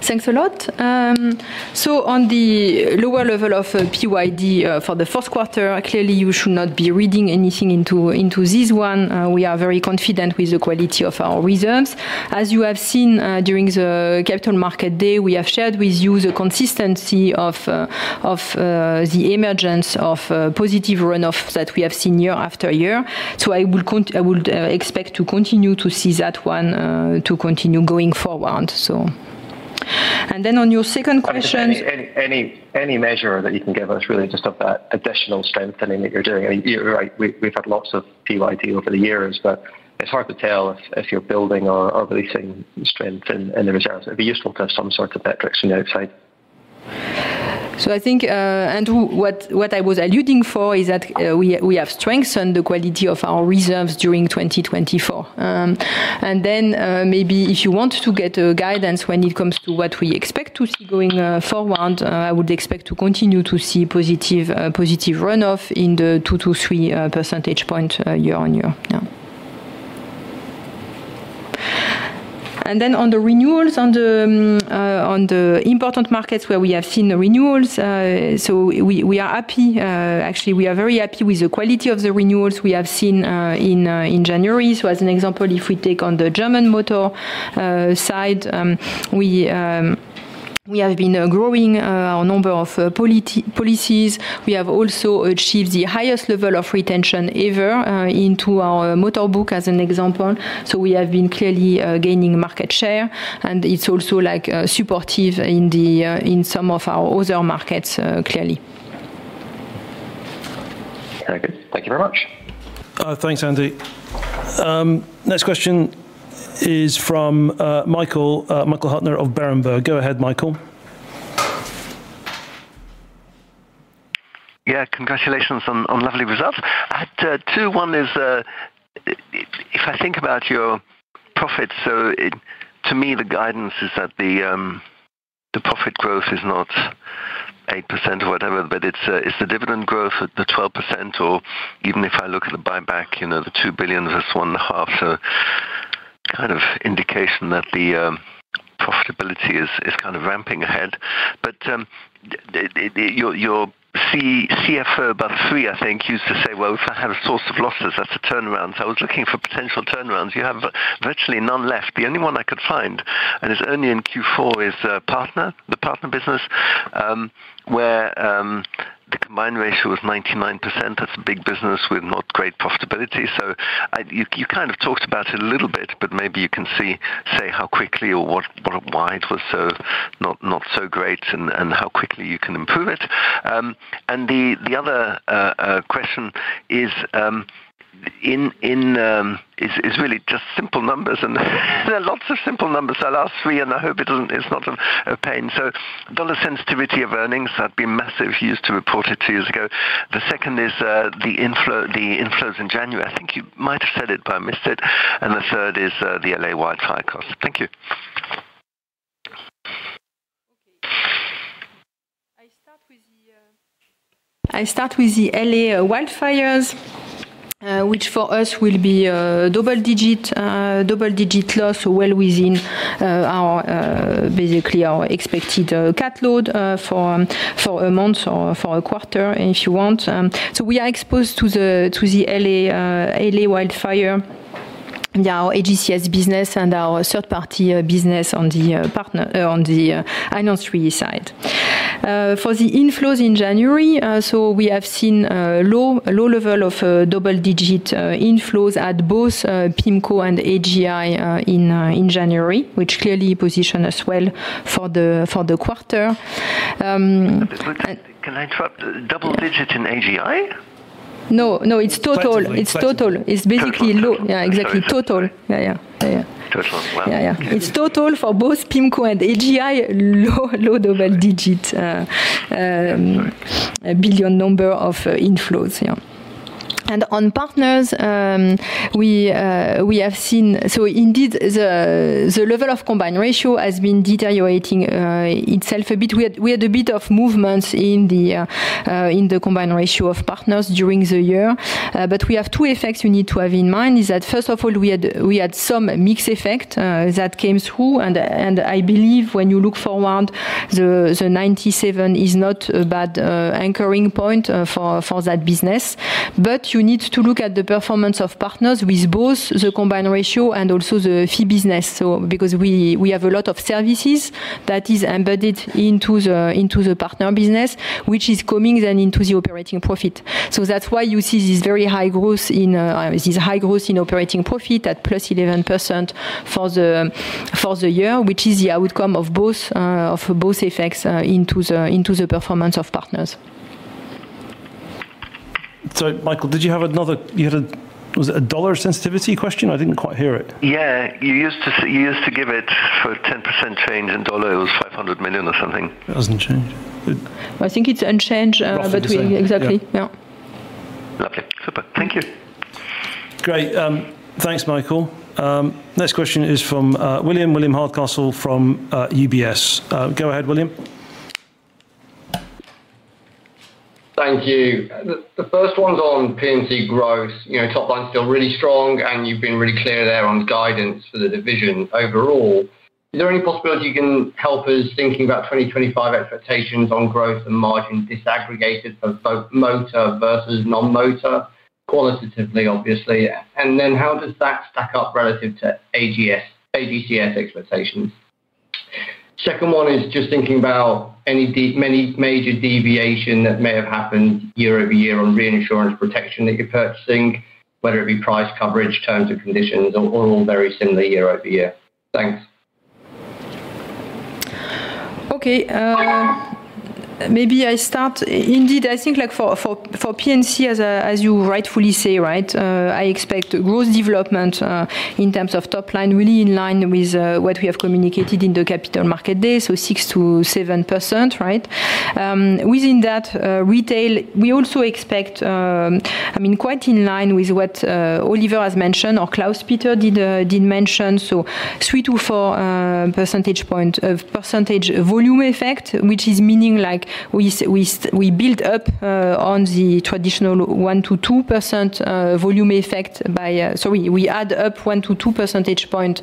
Thanks a lot. On the lower level of PYD for the fourth quarter, clearly, you should not be reading anything into this one. We are very confident with the quality of our reserves. As you have seen during the Capital Markets Day, we have shared with you the consistency of the emergence of positive runoffs that we have seen year-after-year. So I would expect to continue to see that one to continue going forward, so. And then on your second question. Any measure that you can give us really just of that additional strengthening that you're doing? I mean, you're right, we've had lots of PYD over the years, but it's hard to tell if you're building or releasing strength in the reserves. It'd be useful to have some sort of metrics from the outside. So I think, Andrew, what I was alluding to is that we have strengthened the quality of our reserves during 2024. And then maybe if you want to get a guidance when it comes to what we expect to see going forward, I would expect to continue to see positive runoff in the 2 to 3 percentage points year-on-year. And then on the renewals, on the important markets where we have seen the renewals, so we are happy. Actually, we are very happy with the quality of the renewals we have seen in January. So as an example, if we take on the German motor side, we have been growing our number of policies. We have also achieved the highest level of retention ever into our motor book, as an example. So we have been clearly gaining market share, and it's also supportive in some of our other markets, clearly. Thank you very much. Thanks, Andrew. Next question is from Michael Huttner of Berenberg. Go ahead, Michael. Yeah, congratulations on lovely results. Two one is, if I think about your profits, so to me, the guidance is that the profit growth is not 8% or whatever, but it's the dividend growth at the 12%, or even if I look at the buyback, the 2 billion versus 1.5 billion, so kind of indication that the profitability is kind of ramping ahead. But your CFO about three, I think, used to say, "Well, if I have a source of losses, that's a turnaround." So I was looking for potential turnarounds. You have virtually none left. The only one I could find, and it's only in Q4, is the partner business where the combined ratio was 99%. That's a big business with not great profitability. So you kind of talked about it a little bit, but maybe you can say how quickly or why it was not so great and how quickly you can improve it. And the other question is really just simple numbers, and there are lots of simple numbers. I'll ask three, and I hope it's not a pain. So dollar sensitivity of earnings, that'd be massive. You used to report it two years ago. The second is the inflows in January. I think you might have said it, but I missed it. And the third is the L.A. wildfire costs. Thank you. Okay. I start with the L.A. wildfires, which for us will be double-digit loss, well within basically our expected cat load for a month or for a quarter, if you want. So we are exposed to the L.A. wildfire, our AGCS business, and our third-party business on the financial reinsurance side. For the inflows in January, so we have seen low level of double-digit inflows at both PIMCO and AGI in January, which clearly positioned us well for the quarter. Can I interrupt? Double-digit in AGI? No, no. It's total. It's total. It's basically low. Yeah, exactly. Total. Yeah, yeah. Yeah, yeah. Total. Wow. Yeah, yeah. It's total for both PIMCO and AGI, low double-digit billion number of inflows. Yeah. And on partners, we have seen so indeed, the level of combined ratio has been deteriorating itself a bit. We had a bit of movements in the combined ratio of partners during the year. But we have two effects you need to have in mind. First of all, we had some mixed effect that came through. And I believe when you look forward, the 97 is not a bad anchoring point for that business. But you need to look at the performance of partners with both the combined ratio and also the fee business, because we have a lot of services that is embedded into the partner business, which is coming then into the operating profit. So that's why you see this very high growth in operating profit at +11% for the year, which is the outcome of both effects into the performance of partners. So, Michael, did you have another? Was it a dollar sensitivity question? I didn't quite hear it. Yeah. You used to give it for 10% change in dollar. It was $500 million or something. It hasn't changed. I think it's unchanged between. Exactly. Yeah. Lovely. Super. Thank you. Great. Thanks, Michael. Next question is from William Hardcastle from UBS. Go ahead, William. Thank you. The first one's on P&C growth. Top line's still really strong, and you've been really clear there on guidance for the division overall. Is there any possibility you can help us thinking about 2025 expectations on growth and margin disaggregated for both motor versus non-motor, qualitatively, obviously? And then how does that stack up relative to AGCS expectations? Second one is just thinking about any major deviation that may have happened year over year on reinsurance protection that you're purchasing, whether it be price coverage, terms and conditions, or all very similar year-over-year. Thanks. Okay. Maybe I start. Indeed, I think for P&C, as you rightfully say, right, I expect growth development in terms of top line really in line with what we have communicated in the Capital Markets Day, so 6%-7%, right? Within that retail, we also expect, I mean, quite in line with what Oliver has mentioned or Klaus-Peter did mention, so 3 to 4 percentage points of percentage volume effect, which is meaning we build up on the traditional 1%-2% volume effect by sorry, we add up 1 to 2 percentage points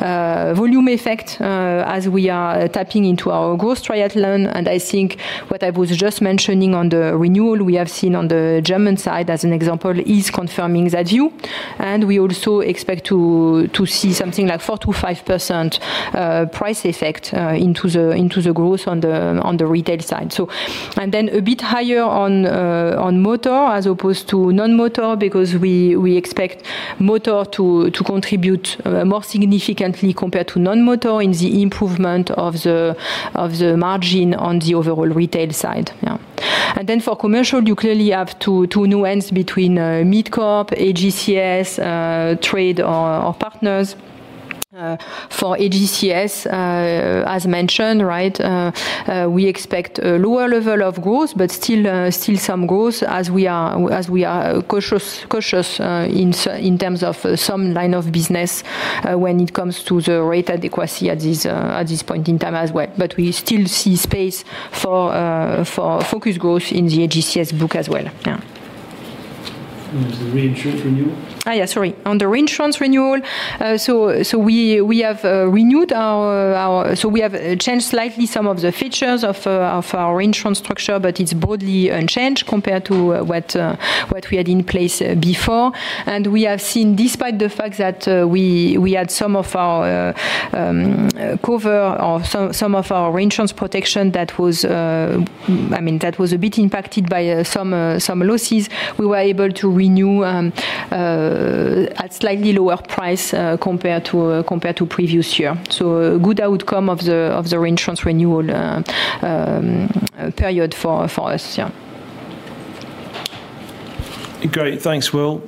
volume effect as we are tapping into our Growth Triathlon. And I think what I was just mentioning on the renewal, we have seen on the German side, as an example, is confirming that view. And we also expect to see something like 4%-5% price effect into the growth on the retail side. Then a bit higher on motor as opposed to non-motor because we expect motor to contribute more significantly compared to non-motor in the improvement of the margin on the overall retail side. Then for commercial, you clearly have two new trends between mid-corp, AGCS, third-party partners. For AGCS, as mentioned, right, we expect a lower level of growth, but still some growth as we are cautious in terms of some line of business when it comes to the rate adequacy at this point in time as well. We still see space for focused growth in the AGCS book as well. On the reinsurance renewal? Oh, yeah, sorry. On the reinsurance renewal, so we have changed slightly some of the features of our reinsurance structure, but it's broadly unchanged compared to what we had in place before. We have seen, despite the fact that we had some of our cover or some of our reinsurance protection that was, I mean, that was a bit impacted by some losses, we were able to renew at slightly lower price compared to previous year. So good outcome of the reinsurance renewal period for us. Yeah. Great. Thanks, Will.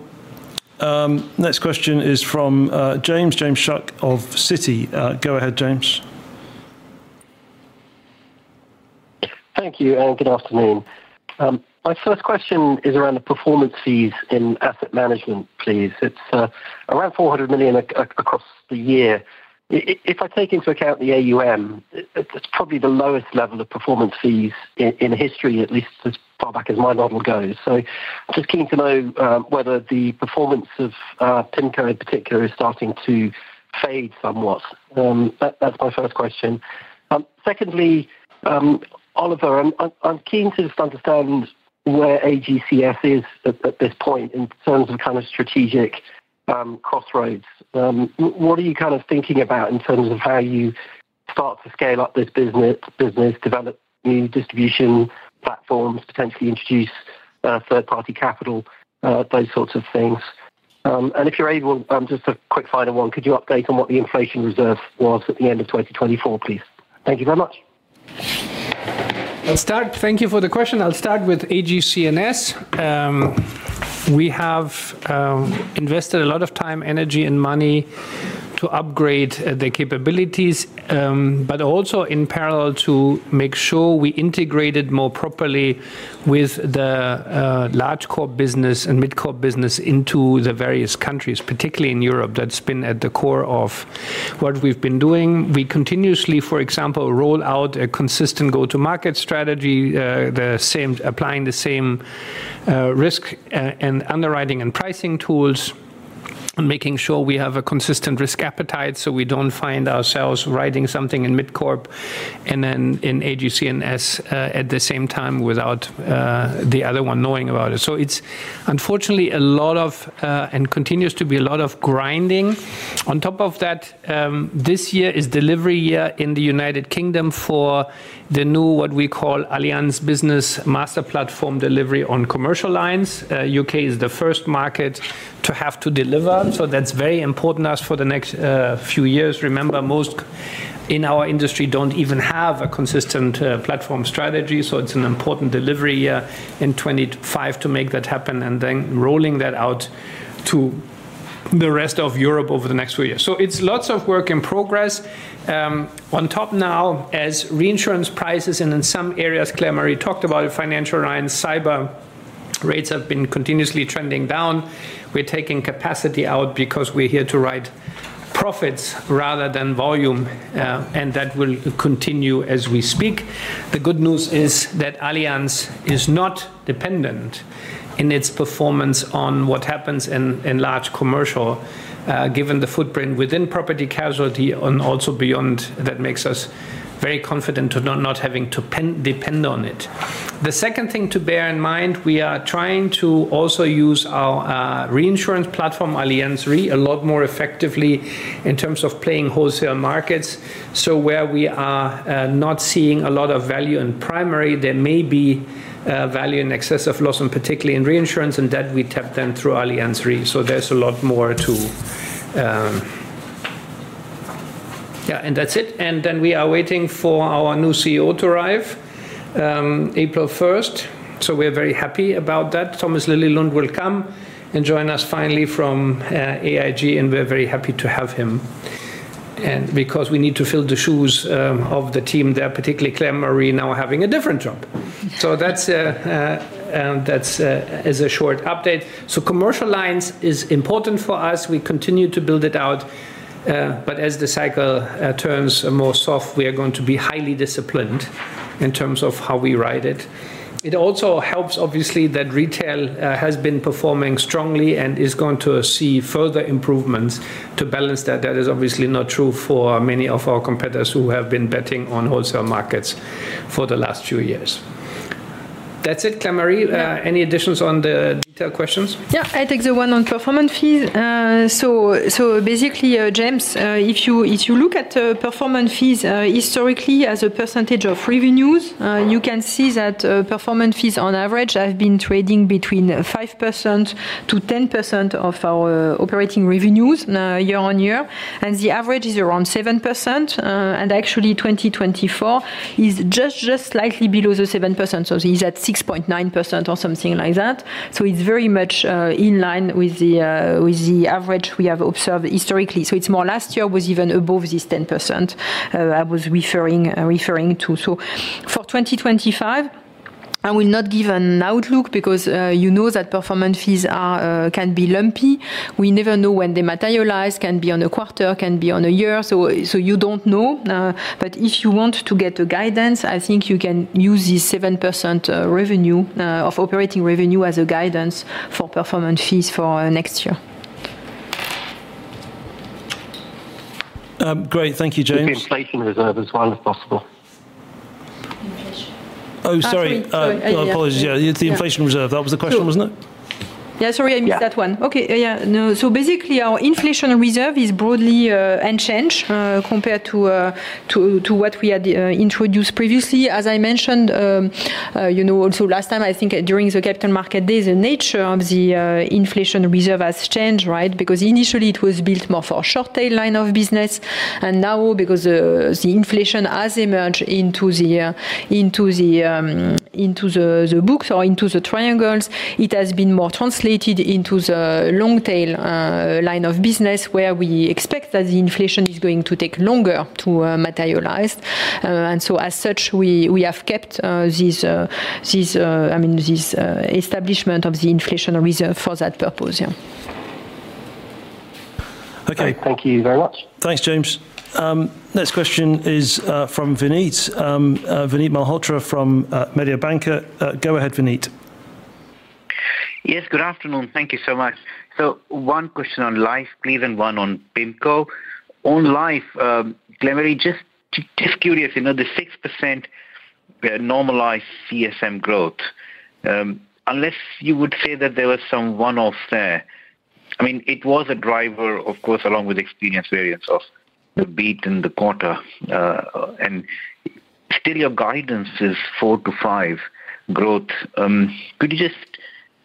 Next question is from James, James Shuck of Citi. Go ahead, James. Thank you. Good afternoon. My first question is around the performance fees in asset management, please. It's around 400 million across the year. If I take into account the AUM, it's probably the lowest level of performance fees in history, at least as far back as my model goes. So I'm just keen to know whether the performance of PIMCO, in particular, is starting to fade somewhat. That's my first question. Secondly, Oliver, I'm keen to just understand where AGCS is at this point in terms of kind of strategic crossroads. What are you kind of thinking about in terms of how you start to scale up this business, develop new distribution platforms, potentially introduce third-party capital, those sorts of things? And if you're able, just a quick final one, could you update on what the inflation reserve was at the end of 2024, please? Thank you very much. I'll start. Thank you for the question. I'll start with AGCS. We have invested a lot of time, energy, and money to upgrade the capabilities, but also in parallel to make sure we integrated more properly with the large-corp business and mid-corp business into the various countries, particularly in Europe. That's been at the core of what we've been doing. We continuously, for example, roll out a consistent go-to-market strategy, applying the same risk and underwriting and pricing tools, making sure we have a consistent risk appetite so we don't find ourselves writing something in mid-corp and then in AGCS at the same time without the other one knowing about it so it's unfortunately a lot of, and continues to be a lot of grinding. On top of that, this year is delivery year in the United Kingdom for the new, what we call, Allianz Business Master Platform delivery on commercial lines. U.K. is the first market to have to deliver so that's very important to us for the next few years. Remember, most in our industry don't even have a consistent platform strategy. So it's an important delivery year in 2025 to make that happen and then rolling that out to the rest of Europe over the next few years. So it's lots of work in progress. On top now, as reinsurance prices and in some areas, Claire-Marie talked about, financial lines, cyber rates have been continuously trending down. We're taking capacity out because we're here to write profits rather than volume, and that will continue as we speak. The good news is that Allianz is not dependent in its performance on what happens in large commercial, given the footprint within property-casualty and also beyond. That makes us very confident to not having to depend on it. The second thing to bear in mind, we are trying to also use our reinsurance platform, Allianz Re, a lot more effectively in terms of playing wholesale markets. So where we are not seeing a lot of value in primary, there may be value in excessive loss, and particularly in reinsurance, and that we tap then through Allianz Re. So there's a lot more to, and that's it. And then we are waiting for our new CEO to arrive, April 1st. So we're very happy about that. Thomas Lillelund will come and join us finally from AIG, and we're very happy to have him because we need to fill the shoes of the team there, particularly Claire-Marie now having a different job. So that is a short update. So commercial lines is important for us. We continue to build it out, but as the cycle turns more soft, we are going to be highly disciplined in terms of how we ride it. It also helps, obviously, that retail has been performing strongly and is going to see further improvements to balance that. That is obviously not true for many of our competitors who have been betting on wholesale markets for the last few years. That's it, Claire-Marie. Any additions on the detailed questions? Yeah. I take the one on performance fees. So basically, James, if you look at performance fees historically as a percentage of revenues, you can see that performance fees on average have been trading between 5%-10% of our operating revenues year-on-year. And the average is around 7%. And actually, 2024 is just slightly below the 7%. So he's at 6.9% or something like that. So it's very much in line with the average we have observed historically. So it's more last year was even above this 10% I was referring to. So for 2025, I will not give an outlook because you know that performance fees can be lumpy. We never know when they materialize. Can be on a quarter, can be on a year. So you don't know. But if you want to get the guidance, I think you can use this 7% of operating revenue as a guidance for performance fees for next year. Great. Thank you, James. The inflation reserve as well as possible. Oh, sorry. Apologies. Yeah. The inflation reserve. That was the question, wasn't it? Yeah. Sorry. I missed that one. Okay. Yeah. No. So basically, our inflation reserve is broadly unchanged compared to what we had introduced previously. As I mentioned, also last time, I think during the Capital Markets Day, the nature of the inflation reserve has changed, right? Because initially, it was built more for a short-tail line of business. And now, because the inflation has emerged into the books or into the triangles, it has been more translated into the long-tail line of business where we expect that the inflation is going to take longer to materialize. And so as such, we have kept these, I mean, this establishment of the inflation reserve for that purpose. Yeah. Okay. Thank you very much. Thanks, James. Next question is from Vinit. Vinit Malhotra from Mediobanca. Go ahead, Vinit. Yes. Good afternoon. Thank you so much. So one question on Life, Claire, and one on PIMCO. On Life, Claire-Marie, just curious, the 6% normalized CSM growth, unless you would say that there was some one-off there. I mean, it was a driver, of course, along with experience variance of the beat in the quarter. And still, your guidance is 4%-5% growth. Could you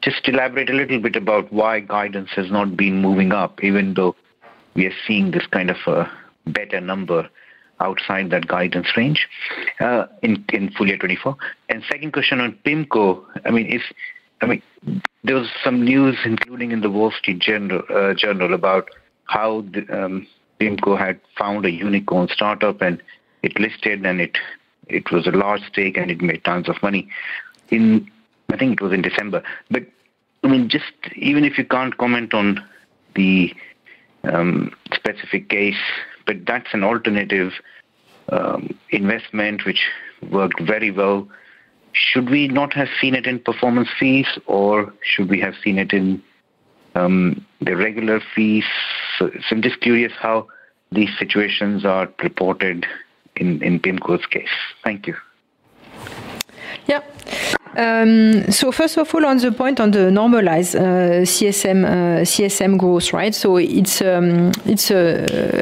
just elaborate a little bit about why guidance has not been moving up, even though we are seeing this kind of better number outside that guidance range in full year 2024? And second question on PIMCO, I mean, there was some news, including in The Wall Street Journal, about how PIMCO had found a unicorn startup, and it listed, and it was a large stake, and it made tons of money. I think it was in December. But I mean, just even if you can't comment on the specific case, but that's an alternative investment which worked very well. Should we not have seen it in performance fees, or should we have seen it in the regular fees? So I'm just curious how these situations are reported in PIMCO's case. Thank you. Yeah. So first of all, on the point on the normalized CSM growth, right?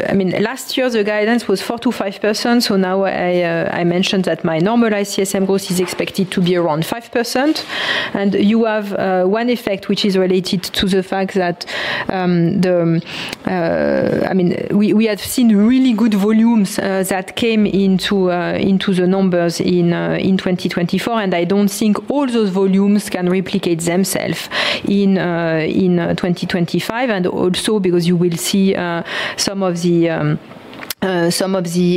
I mean, last year, the guidance was 4%-5%. Now I mentioned that my normalized CSM growth is expected to be around 5%. You have one effect which is related to the fact that, I mean, we have seen really good volumes that came into the numbers in 2024. I don't think all those volumes can replicate themselves in 2025. Also because you will see some of the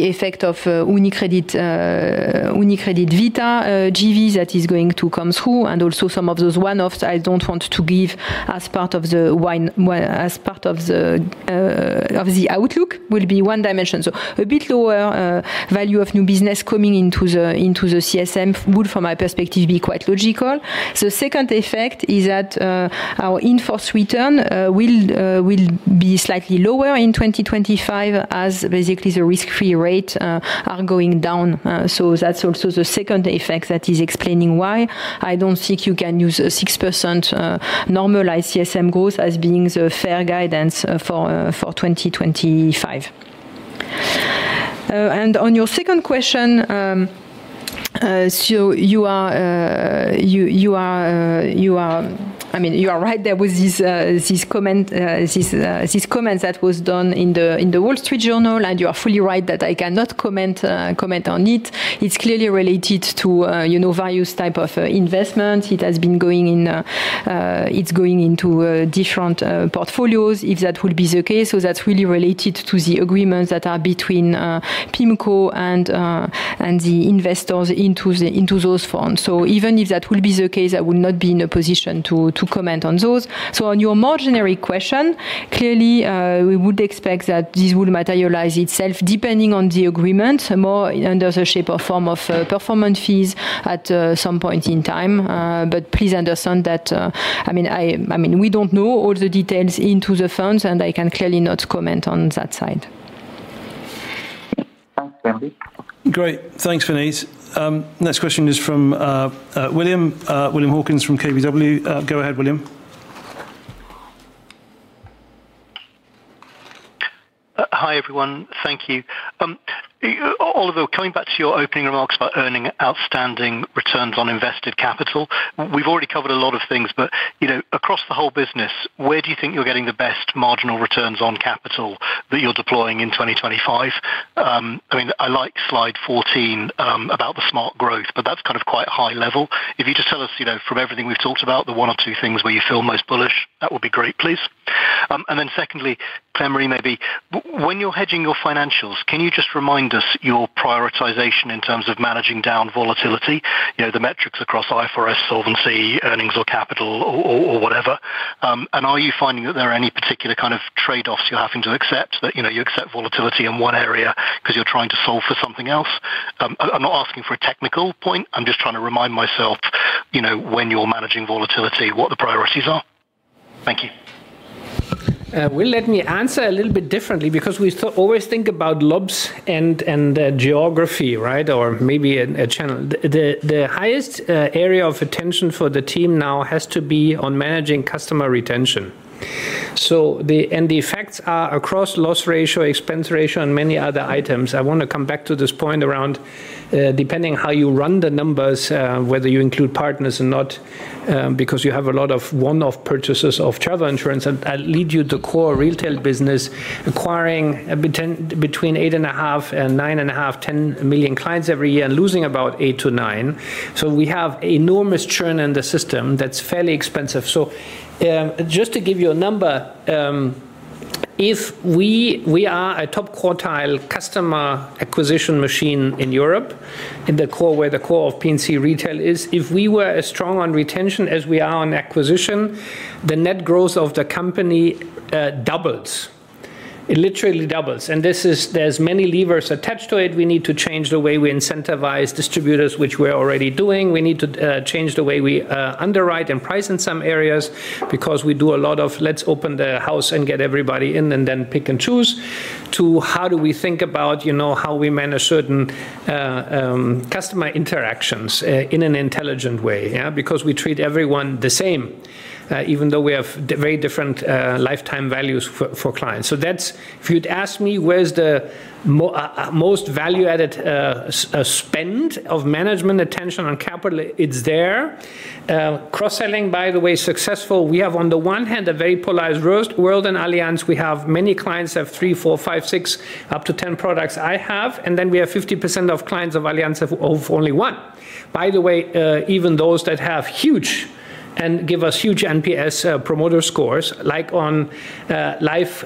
effect of UniCredit Vita JVs that is going to come through. Also some of those one-offs I don't want to give as part of the outlook will be one dimension. A bit lower value of new business coming into the CSM would, from my perspective, be quite logical. The second effect is that our in-force return will be slightly lower in 2025 as basically the risk-free rates are going down. That's also the second effect that is explaining why I don't think you can use a 6% normalized CSM growth as being the fair guidance for 2025. On your second question, I mean, you are right there with these comments that were done in the Wall Street Journal. You are fully right that I cannot comment on it. It's clearly related to various types of investments. It has been going in, it's going into different portfolios, if that would be the case. That's really related to the agreements that are between PIMCO and the investors into those funds. Even if that would be the case, I would not be in a position to comment on those. So on your margin question, clearly, we would expect that this would materialize itself depending on the agreement, more under the shape or form of performance fees at some point in time. But please understand that, I mean, we don't know all the details into the funds, and I can clearly not comment on that side. Thanks, Claire-Marie. Great. Thanks, Vinit. Next question is from William Hawkins from KBW. Go ahead, William. Hi, everyone. Thank you. Oliver, coming back to your opening remarks about earning outstanding returns on invested capital, we've already covered a lot of things, but across the whole business, where do you think you're getting the best marginal returns on capital that you're deploying in 2025? I mean, I like slide 14 about the smart growth, but that's kind of quite high level. If you just tell us, from everything we've talked about, the one or two things where you feel most bullish, that would be great, please. And then secondly, Claire-Marie, maybe, when you're hedging your financials, can you just remind us your prioritization in terms of managing down volatility, the metrics across IFRS, solvency, earnings, or capital, or whatever? And are you finding that there are any particular kind of trade-offs you're having to accept, that you accept volatility in one area because you're trying to solve for something else? I'm not asking for a technical point. I'm just trying to remind myself when you're managing volatility, what the priorities are. Thank you. Well, let me answer a little bit differently because we always think about lobs and geography, right, or maybe a channel. The highest area of attention for the team now has to be on managing customer retention. The effects are across loss ratio, expense ratio, and many other items. I want to come back to this point around depending how you run the numbers, whether you include partners or not, because you have a lot of one-off purchases of travel insurance that lead you to core retail business, acquiring between 8.5 million and 9.5-10 million clients every year and losing about eight to nine. We have enormous churn in the system that's fairly expensive. Just to give you a number, if we are a top quartile customer acquisition machine in Europe, where the core of P&C retail is, if we were as strong on retention as we are on acquisition, the net growth of the company doubles. It literally doubles. There's many levers attached to it. We need to change the way we incentivize distributors, which we're already doing. We need to change the way we underwrite and price in some areas because we do a lot of, "Let's open the house and get everybody in and then pick and choose," to how do we think about how we manage certain customer interactions in an intelligent way, yeah, because we treat everyone the same, even though we have very different lifetime values for clients. So if you'd ask me where's the most value-added spend of management attention on capital, it's there. Cross-selling, by the way, successful. We have, on the one hand, a very polarized world in Allianz. We have many clients have three, four, five, six, up to 10 products I have. And then we have 50% of clients of Allianz have only one. By the way, even those that have huge and give us huge NPS promoter scores, like on Life,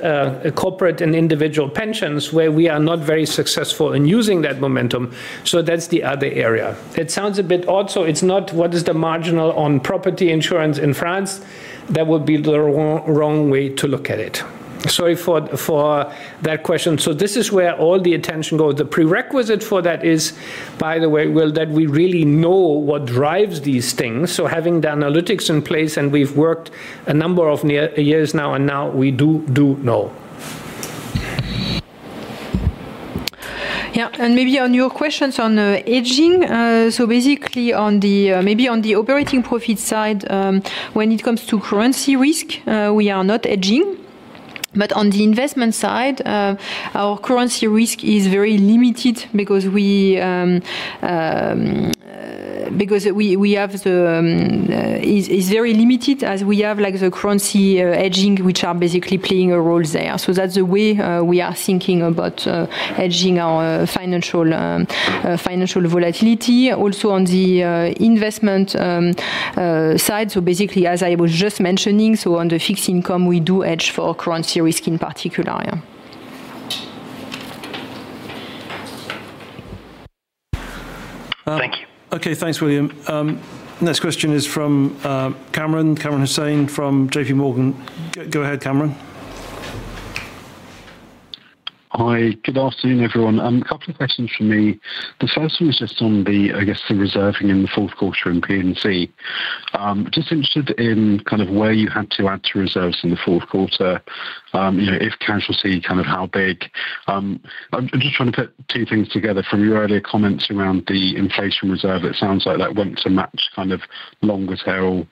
Corporate, and Individual Pensions, where we are not very successful in using that momentum. So that's the other area. It sounds a bit odd. So it's not, "What is the marginal on property insurance in France?" That would be the wrong way to look at it. Sorry for that question. So this is where all the attention goes. The prerequisite for that is, by the way, that we really know what drives these things. So having the analytics in place, and we've worked a number of years now, and now we do know. Yeah. And maybe on your questions on hedging, so basically, maybe on the operating profit side, when it comes to currency risk, we are not hedging. But on the investment side, our currency risk is very limited because it's very limited as we have the currency hedging, which are basically playing a role there. So that's the way we are thinking about hedging our financial volatility. Also on the investment side, basically, as I was just mentioning, on the fixed income, we do hedge for currency risk in particular. Yeah. Thank you. Okay. Thanks, William. Next question is from Kamran Hussein from J.P. Morgan. Go ahead, Kamran. Hi. Good afternoon, everyone. A couple of questions for me. The first one is just on the, I guess, reserving in the fourth quarter in P&C. Just interested in kind of where you had to add to reserves in the fourth quarter, if you can see kind of how big. I'm just trying to put two things together. From your earlier comments around the inflation reserve, it sounds like that went to match kind of longer-tail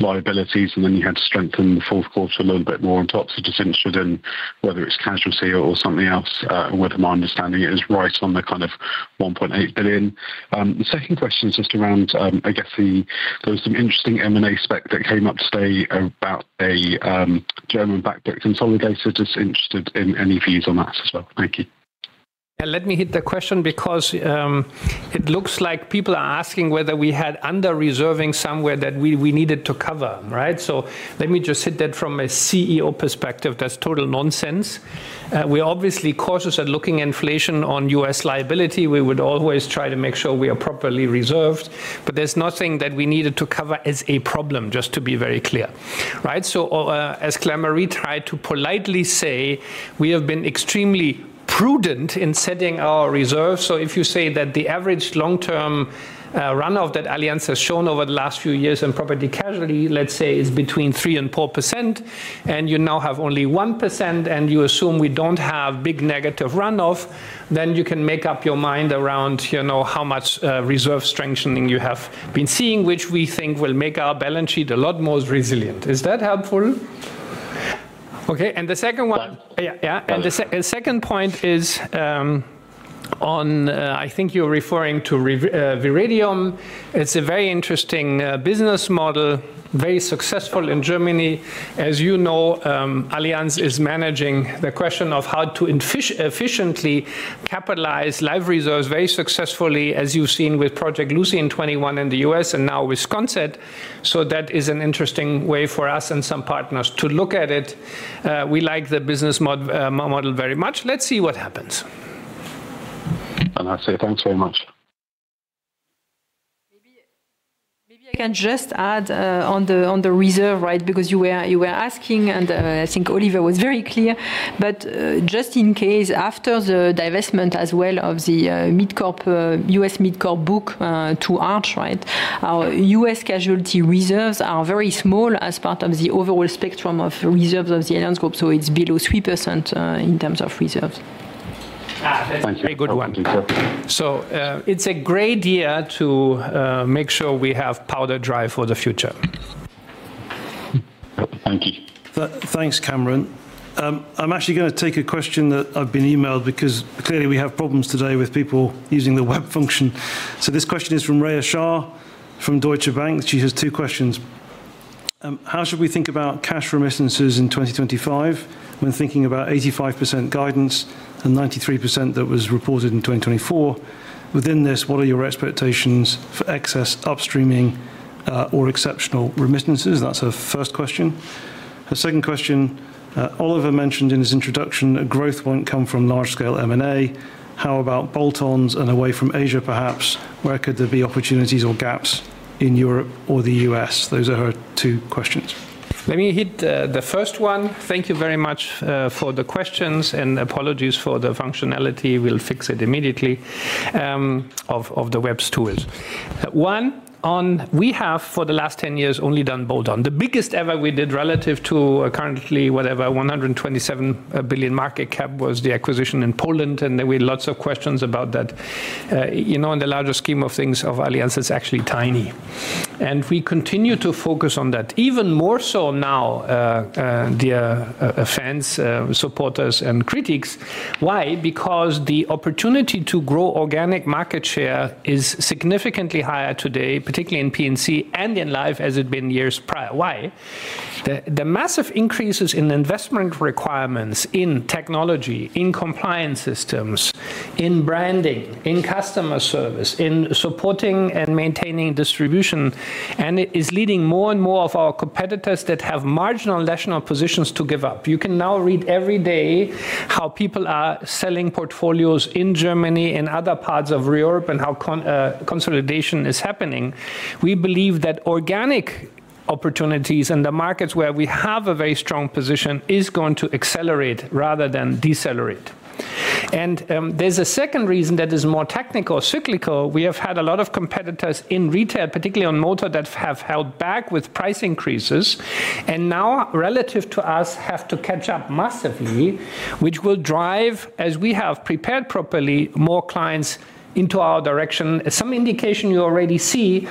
liabilities, and then you had to strengthen the fourth quarter a little bit more on top. So just interested in whether it's casualty or something else, whether my understanding is right on the kind of 1.8 billion. The second question is just around, I guess, there was some interesting M&A spec that came up today about a German backed consolidator. Just interested in any views on that as well. Thank you. Yeah. Let me hit the question because it looks like people are asking whether we had under-reserving somewhere that we needed to cover, right? So let me just hit that from a CEO perspective. That's total nonsense. We're obviously cautious at looking at inflation on U.S. liability. We would always try to make sure we are properly reserved. But there's nothing that we needed to cover as a problem, just to be very clear, right? So as Claire-Marie tried to politely say, we have been extremely prudent in setting our reserves. So if you say that the average long-term runoff that Allianz has shown over the last few years in property casualty, let's say, is between 3% and 4%, and you now have only 1%, and you assume we don't have big negative runoff, then you can make up your mind around how much reserve strengthening you have been seeing, which we think will make our balance sheet a lot more resilient. Is that helpful? Okay. And the second one. Yeah. Yeah. And the second point is on, I think you're referring to Viridium. It's a very interesting business model, very successful in Germany. As you know, Allianz is managing the question of how to efficiently capitalize live reserves very successfully, as you've seen with Project Lucy in 2021 in the U.S. and now Wisconsin. So that is an interesting way for us and some partners to look at it. We like the business model very much. Let's see what happens. And I'd say thanks very much. Maybe I can just add on the reserve, right, because you were asking, and I think Oliver was very clear. But just in case, after the divestment as well of the U.S. mid-corp book to Arch, right, our U.S. casualty reserves are very small as part of the overall spectrum of reserves of the Allianz Group. So it's below 3% in terms of reserves. Very good one. So it's a great year to make sure we have powder dry for the future. Thank you. Thanks, Kamran. I'm actually going to take a question that I've been emailed because clearly we have problems today with people using the web function. So this question is from Rhea Shah from Deutsche Bank. She has two questions. How should we think about cash remittances in 2025 when thinking about 85% guidance and 93% that was reported in 2024? Within this, what are your expectations for excess upstreaming or exceptional remittances? That's her first question. Her second question, Oliver mentioned in his introduction, a growth won't come from large-scale M&A. How about bolt-ons and away from Asia, perhaps? Where could there be opportunities or gaps in Europe or the U.S.? Those are her two questions. Let me hit the first one. Thank you very much for the questions and apologies for the functionality. We'll fix it immediately. Of the web's tools. One, we have for the last 10 years only done bolt-on. The biggest ever we did relative to currently whatever 127 billion market cap was the acquisition in Poland, and there were lots of questions about that. In the larger scheme of things of Allianz, it's actually tiny. And we continue to focus on that, even more so now, dear fans, supporters, and critics. Why? Because the opportunity to grow organic market share is significantly higher today, particularly in P&C and in life as it's been years prior. Why? The massive increases in investment requirements in technology, in compliance systems, in branding, in customer service, in supporting and maintaining distribution, and it is leading more and more of our competitors that have marginal national positions to give up. You can now read every day how people are selling portfolios in Germany, in other parts of Europe, and how consolidation is happening. We believe that organic opportunities in the markets where we have a very strong position is going to accelerate rather than decelerate, and there's a second reason that is more technical, cyclical. We have had a lot of competitors in retail, particularly on motor, that have held back with price increases and now relative to us have to catch up massively, which will drive, as we have prepared properly, more clients into our direction. Some indication you already see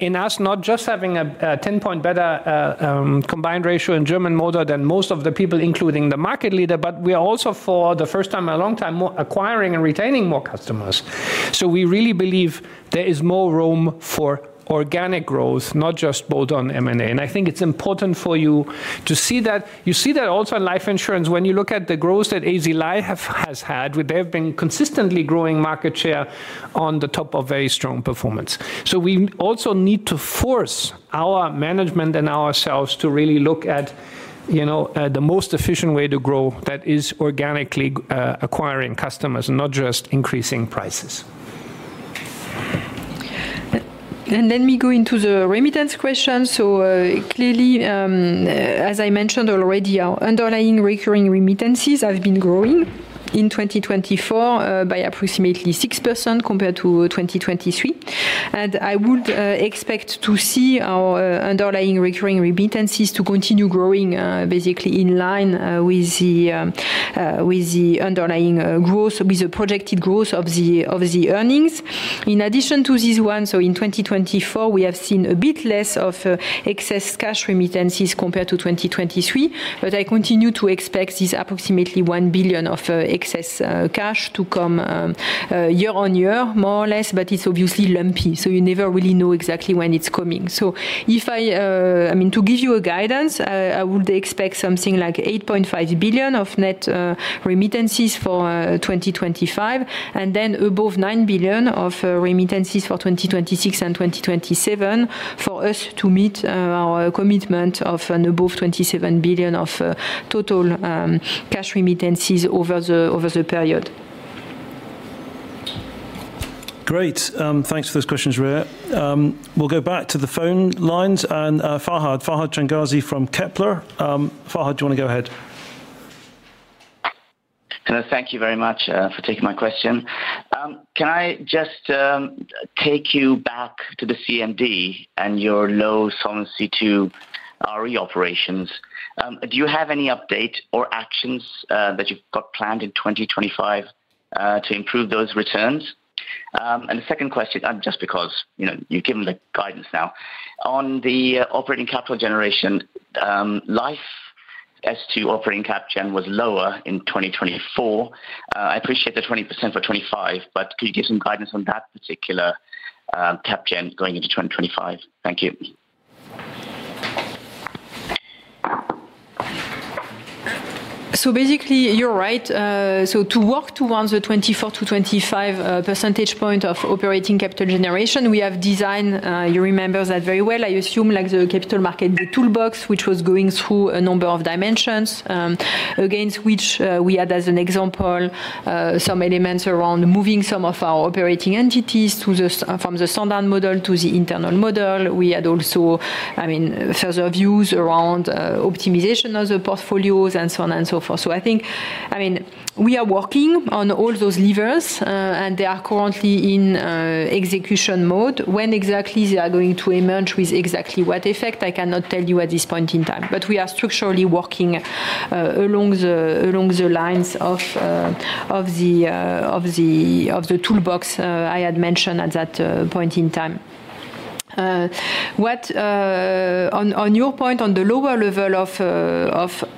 in us not just having a 10-point better combined ratio in German motor than most of the people, including the market leader, but we are also for the first time in a long time acquiring and retaining more customers. We really believe there is more room for organic growth, not just bolt-on M&A. I think it's important for you to see that. You see that also in life insurance when you look at the growth that Allianz Life has had, where they have been consistently growing market share on the top of very strong performance. We also need to force our management and ourselves to really look at the most efficient way to grow that is organically acquiring customers, not just increasing prices. Then we go into the remittance question. Clearly, as I mentioned already, our underlying recurring remittances have been growing in 2024 by approximately 6% compared to 2023. I would expect to see our underlying recurring remittances to continue growing basically in line with the underlying growth, with the projected growth of the earnings. In addition to this one, so in 2024, we have seen a bit less of excess cash remittances compared to 2023, but I continue to expect this approximately 1 billion of excess cash to come year-on-year, more or less, but it's obviously lumpy. So you never really know exactly when it's coming. So if I, I mean, to give you a guidance, I would expect something like 8.5 billion of net remittances for 2025, and then above 9 billion of remittances for 2026 and 2027 for us to meet our commitment of an above 27 billion of total cash remittances over the period. Great. Thanks for those questions, Rhea. We'll go back to the phone lines. And Fahad, Fahad Changazi from Kepler. Fahad, do you want to go ahead? Thank you very much for taking my question. Can I just take you back to the CMD and your low Solvency II to Allianz Re operations? Do you have any update or actions that you've got planned in 2025 to improve those returns? And the second question, just because you've given the guidance now, on the operating capital generation, life S2 operating cap gen was lower in 2024. I appreciate the 20% for 2025, but could you give some guidance on that particular cap gen going into 2025? Thank you. So basically, you're right. So to work towards the 24 to 25 percentage point of operating capital generation, we have designed, you remember that very well, I assume, like the capital market, the toolbox, which was going through a number of dimensions, against which we had, as an example, some elements around moving some of our operating entities from the standard model to the internal model. We had also, I mean, further views around optimization of the portfolios and so on and so forth. So I think, I mean, we are working on all those levers, and they are currently in execution mode. When exactly they are going to emerge with exactly what effect, I cannot tell you at this point in time. But we are structurally working along the lines of the toolbox I had mentioned at that point in time. On your point, on the lower level of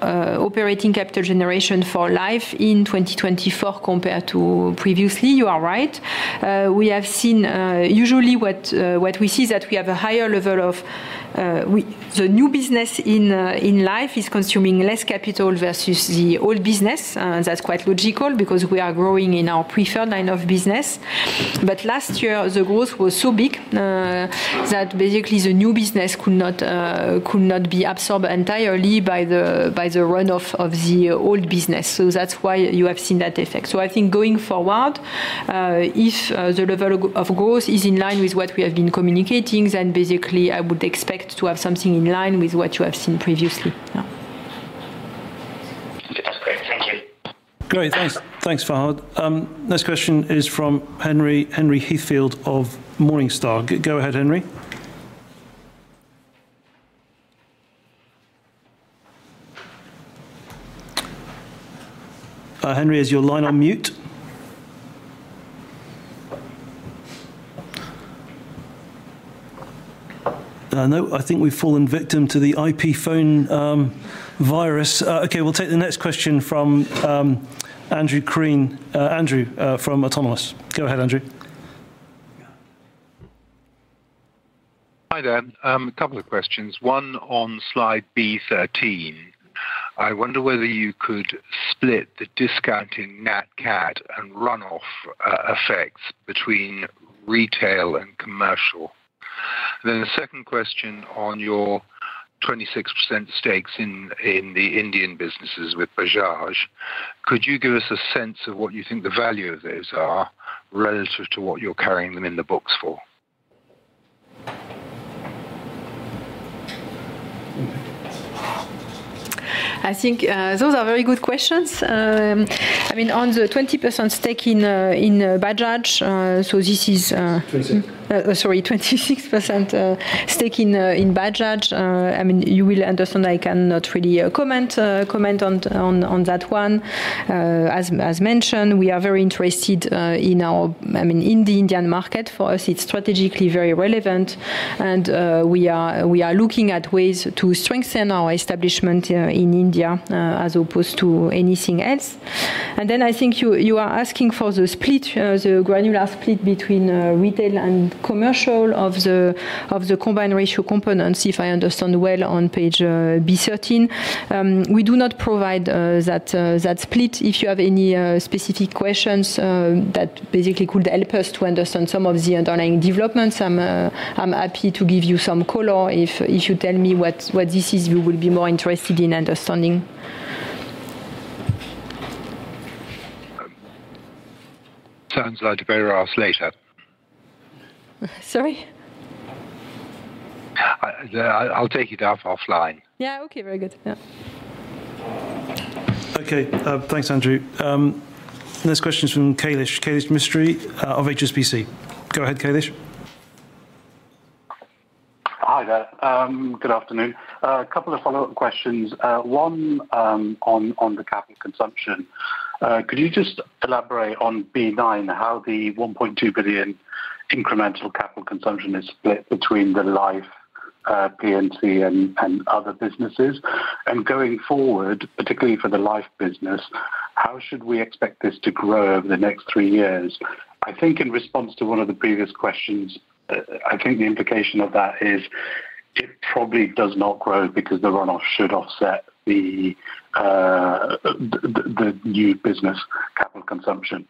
operating capital generation for life in 2024 compared to previously, you are right. We have seen usually what we see is that we have a higher level of the new business in life is consuming less capital versus the old business. That's quite logical because we are growing in our preferred line of business. But last year, the growth was so big that basically the new business could not be absorbed entirely by the runoff of the old business. So that's why you have seen that effect. So I think going forward, if the level of growth is in line with what we have been communicating, then basically I would expect to have something in line with what you have seen previously. That's great. Thank you. Great. Thanks, Fahad. Next question is from Henry Heathfield of Morningstar. Go ahead, Henry. Henry, is your line on mute? No, I think we've fallen victim to the IP phone virus. Okay. We'll take the next question from Andrew from Autonomous. Go ahead, Andrew. Hi there. A couple of questions. One on slide B13. I wonder whether you could split the discounting NatCaT and runoff effects between retail and commercial. Then the second question on your 26% stakes in the Indian businesses with Bajaj. Could you give us a sense of what you think the value of those are relative to what you're carrying them in the books for? I think those are very good questions. I mean, on the 20% stake in Bajaj, so this is 26%. Sorry, 26% stake in Bajaj. I mean, you will understand I cannot really comment on that one. As mentioned, we are very interested in the Indian market. For us, it's strategically very relevant, and we are looking at ways to strengthen our establishment in India as opposed to anything else. And then I think you are asking for the split, the granular split between retail and commercial of the combined ratio components, if I understand well on page B13. We do not provide that split. If you have any specific questions that basically could help us to understand some of the underlying developments, I'm happy to give you some color. If you tell me what this is, we will be more interested in understanding. Sounds like very rare later. Sorry? I'll take it offline. Yeah. Okay. Very good. Yeah. Okay. Thanks, Andrew. Next question is from Kailesh Mistry of HSBC. Go ahead, Kailesh. Hi there. Good afternoon. A couple of follow-up questions. One on the capital consumption. Could you just elaborate on B9, how the 1.2 billion incremental capital consumption is split between the life P&C and other businesses? And going forward, particularly for the life business, how should we expect this to grow over the next three years? I think in response to one of the previous questions, I think the implication of that is it probably does not grow because the runoff should offset the new business capital consumption.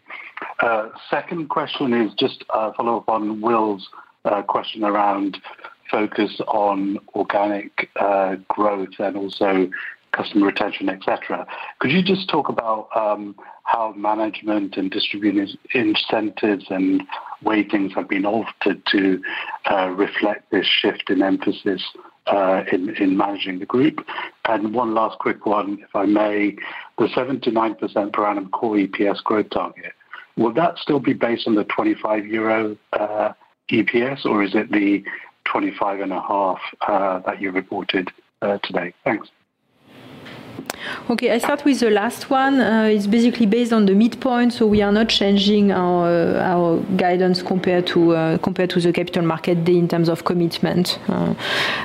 Second question is just a follow-up on Will's question around focus on organic growth and also customer retention, etc. Could you just talk about how management and distributing incentives and weightings have been altered to reflect this shift in emphasis in managing the group? And one last quick one, if I may, the 7%-9% per annum core EPS growth target, would that still be based on the 25 euro EPS, or is it the 25.5 that you reported today? Thanks. Okay. I start with the last one. It's basically based on the midpoint, so we are not changing our guidance compared to the Capital Markets Day in terms of commitment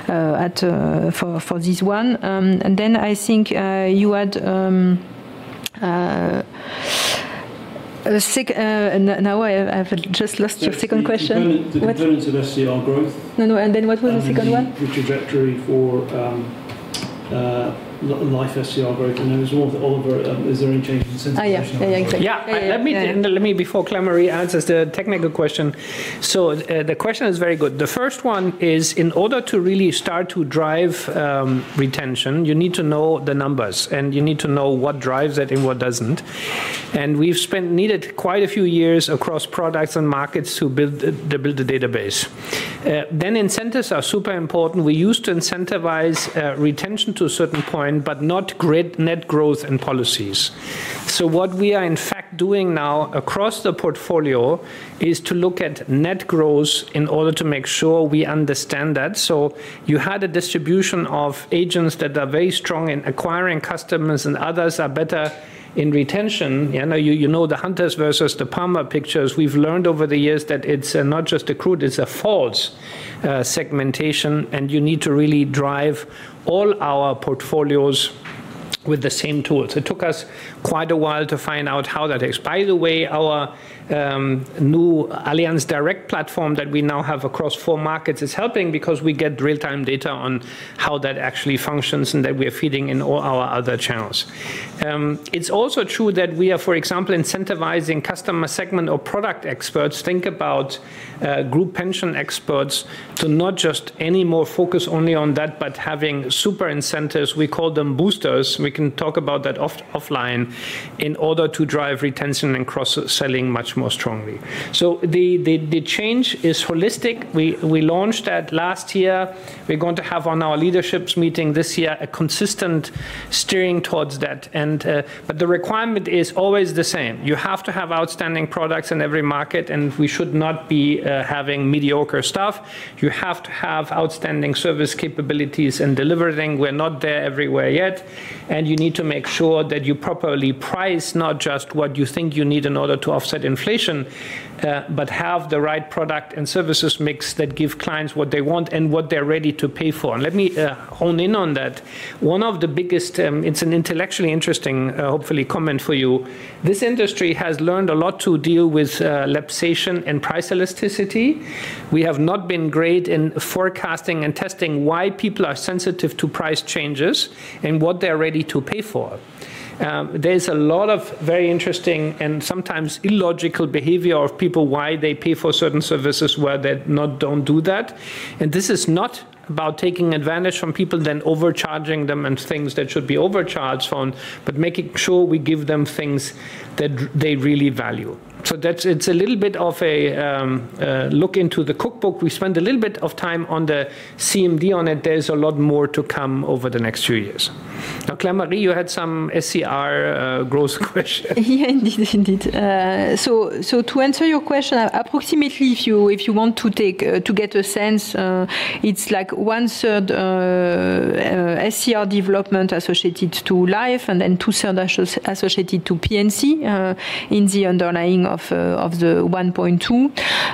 for this one. And then I think you had a second now, I've just lost your second question. Return to SCR growth. No, no. And then what was the second one? Trajectory for life SCR growth. And there was one with Oliver. Is there any change in incentive? Yeah, yeah, exactly. Yeah. Let me, before Claire-Marie answers the technical question. So the question is very good. The first one is, in order to really start to drive retention, you need to know the numbers, and you need to know what drives it and what doesn't. And we've needed quite a few years across products and markets to build the database. Then incentives are super important. We used to incentivize retention to a certain point, but not gross net growth and policies. So what we are in fact doing now across the portfolio is to look at net growth in order to make sure we understand that. So you had a distribution of agents that are very strong in acquiring customers, and others are better in retention. You know the hunters versus the farmers picture. We've learned over the years that it's not just crude, it's a false segmentation, and you need to really drive all our portfolios with the same tools. It took us quite a while to find out how that is. By the way, our new Allianz Direct platform that we now have across four markets is helping because we get real-time data on how that actually functions and that we are feeding in all our other channels. It's also true that we are, for example, incentivizing customer segment or product experts. Think about group pension experts to not just any more focus only on that, but having super incentives. We call them boosters. We can talk about that offline in order to drive retention and cross-selling much more strongly. So the change is holistic. We launched that last year. We're going to have on our leadership meeting this year a consistent steering towards that. But the requirement is always the same. You have to have outstanding products in every market, and we should not be having mediocre stuff. You have to have outstanding service capabilities and delivering. We're not there everywhere yet. And you need to make sure that you properly price not just what you think you need in order to offset inflation, but have the right product and services mix that give clients what they want and what they're ready to pay for. And let me hone in on that. One of the biggest, it's an intellectually interesting, hopefully, comment for you. This industry has learned a lot to deal with inflation and price elasticity. We have not been great in forecasting and testing why people are sensitive to price changes and what they're ready to pay for. There's a lot of very interesting and sometimes illogical behavior of people, why they pay for certain services where they don't do that. And this is not about taking advantage from people, then overcharging them and things that should be overcharged on, but making sure we give them things that they really value. So it's a little bit of a look into the cookbook. We spend a little bit of time on the CMD on it. There's a lot more to come over the next few years. Now, Claire-Marie, you had some SER growth question. Yeah, indeed, indeed. So to answer your question, approximately, if you want to get a sense, it's like 1/3 SER development associated to life and then 2/3 associated to P&C in the underlying of the 1.2.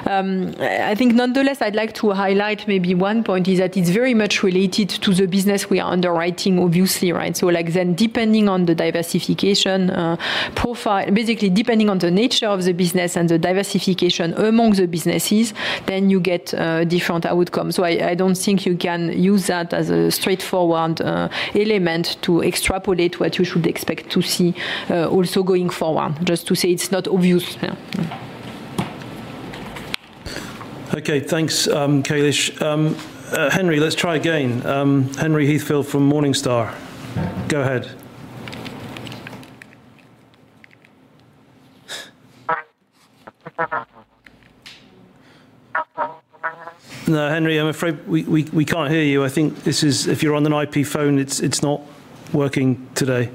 I think nonetheless, I'd like to highlight maybe one point is that it's very much related to the business we are underwriting, obviously, right? So then depending on the diversification profile, basically depending on the nature of the business and the diversification among the businesses, then you get different outcomes. So I don't think you can use that as a straightforward element to extrapolate what you should expect to see also going forward. Just to say it's not obvious. Okay. Thanks, Kailesh. Henry, let's try again. Henry Heathfield from Morningstar. Go ahead. No, Henry, I'm afraid we can't hear you. I think if you're on an IP phone, it's not working today.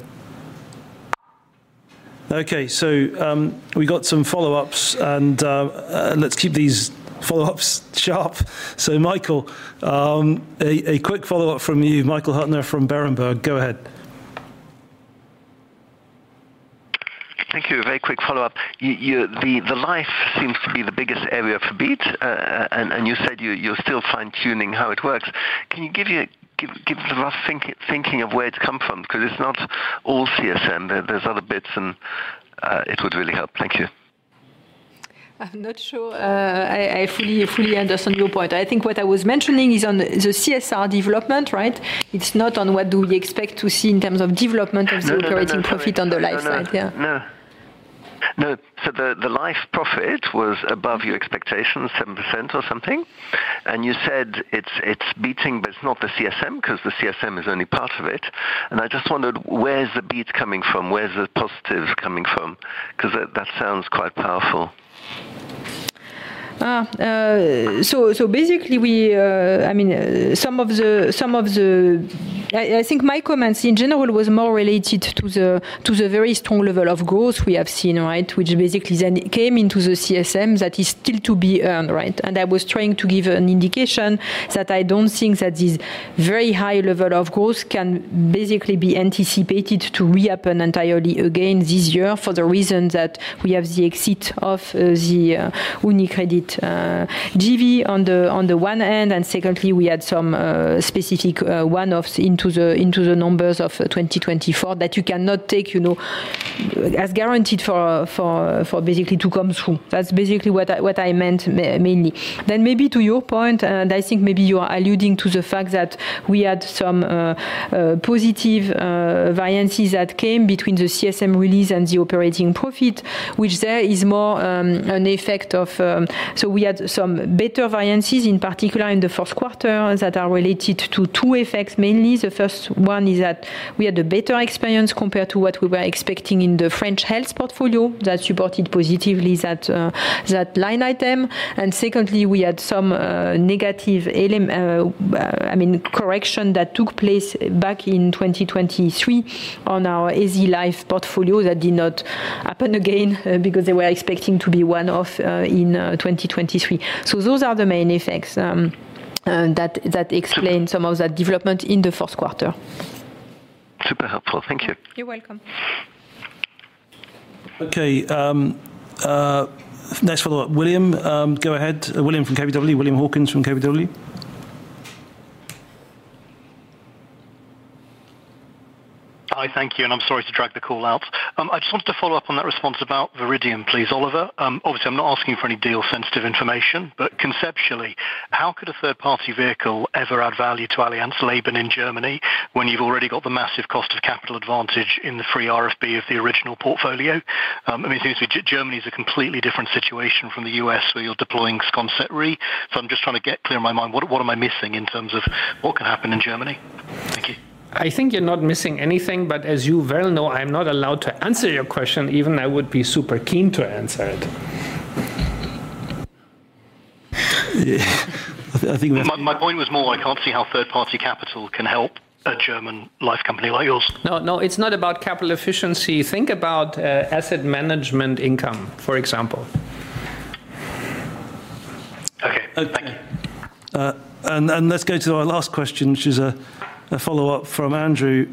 Okay. So we got some follow-ups, and let's keep these follow-ups sharp. So Michael, a quick follow-up from you. Michael Huttner from Berenberg. Go ahead. Thank you. Very quick follow-up. The life seems to be the biggest area for beat, and you said you're still fine-tuning how it works. Can you give the rough thinking of where it's come from? Because it's not all CSM. There's other bits, and it would really help. Thank you. I'm not sure I fully understand your point. I think what I was mentioning is on the CSM development, right? It's not on what do we expect to see in terms of development of the operating profit on the life side. Yeah. No. No. So the life profit was above your expectations, 7% or something. And you said it's beating, but it's not the CSM because the CSM is only part of it. And I just wondered where's the beat coming from? Where's the positive coming from? Because that sounds quite powerful. So basically, I mean, some of the—I think my comments in general were more related to the very strong level of growth we have seen, right, which basically then came into the CSM that is still to be earned, right? I was trying to give an indication that I don't think that this very high level of growth can basically be anticipated to reopen entirely again this year for the reason that we have the exit of the UniCredit Vita on the one end, and secondly, we had some specific one-offs into the numbers of 2024 that you cannot take as guaranteed for basically to come through. That's basically what I meant mainly. Then maybe to your point, I think maybe you are alluding to the fact that we had some positive variances that came between the CSM release and the operating profit, which there is more an effect of, so we had some better variances, in particular in the fourth quarter, that are related to two effects mainly. The first one is that we had a better experience compared to what we were expecting in the French health portfolio that supported positively that line item. And secondly, we had some negative, I mean, correction that took place back in 2023 on our AZ Life portfolio that did not happen again because they were expecting to be one-off in 2023. So those are the main effects that explain some of that development in the fourth quarter. Super helpful. Thank you. You're welcome. Okay. Next follow-up. William, go ahead. William from KBW. William Hawkins from KBW. Hi. Thank you. And I'm sorry to drag the call out. I just wanted to follow up on that response about Viridium, please, Oliver. Obviously, I'm not asking for any deal-sensitive information, but conceptually, how could a third-party vehicle ever add value to Allianz Labor in Germany when you've already got the massive cost of capital advantage in the free RFB of the original portfolio? I mean, it seems Germany is a completely different situation from the U.S. where you're deploying Sconset Re. So I'm just trying to get clear in my mind. What am I missing in terms of what could happen in Germany? Thank you. I think you're not missing anything, but as you well know, I'm not allowed to answer your question. Even I would be super keen to answer it. I think my point was more I can't see how third-party capital can help a German life company like yours. No, no. It's not about capital efficiency. Think about asset management income, for example. Okay. Thank you. Let's go to our last question, which is a follow-up from Andrew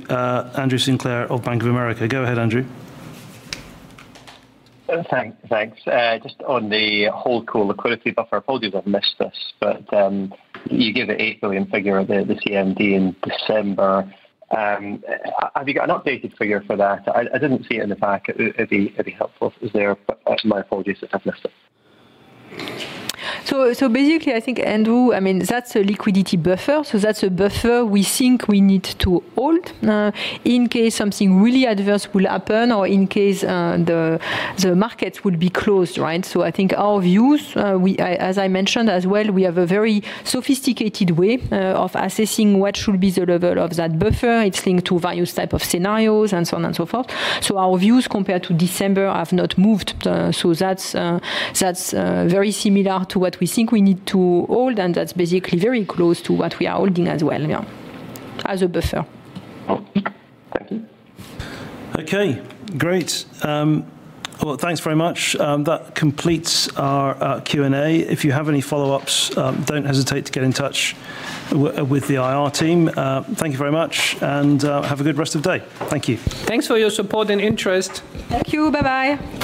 Sinclair of Bank of America. Go ahead, Andrew. Thanks. Just on the whole core liquidity buffer, apologies I've missed this, but you gave an 8 billion figure at the CMD in December. Have you got an updated figure for that? I didn't see it in the back. It'd be helpful. My apologies if I've missed it. Basically, I think, Andrew, I mean, that's a liquidity buffer. So that's a buffer we think we need to hold in case something really adverse will happen or in case the markets would be closed, right? I think our views, as I mentioned as well, we have a very sophisticated way of assessing what should be the level of that buffer. It's linked to various types of scenarios and so on and so forth. So our views compared to December have not moved. So that's very similar to what we think we need to hold, and that's basically very close to what we are holding as well as a buffer. Thank you. Okay. Great. Well, thanks very much. That completes our Q&A. If you have any follow-ups, don't hesitate to get in touch with the IR team. Thank you very much, and have a good rest of the day. Thank you. Thanks for your support and interest. Thank you. Bye-bye.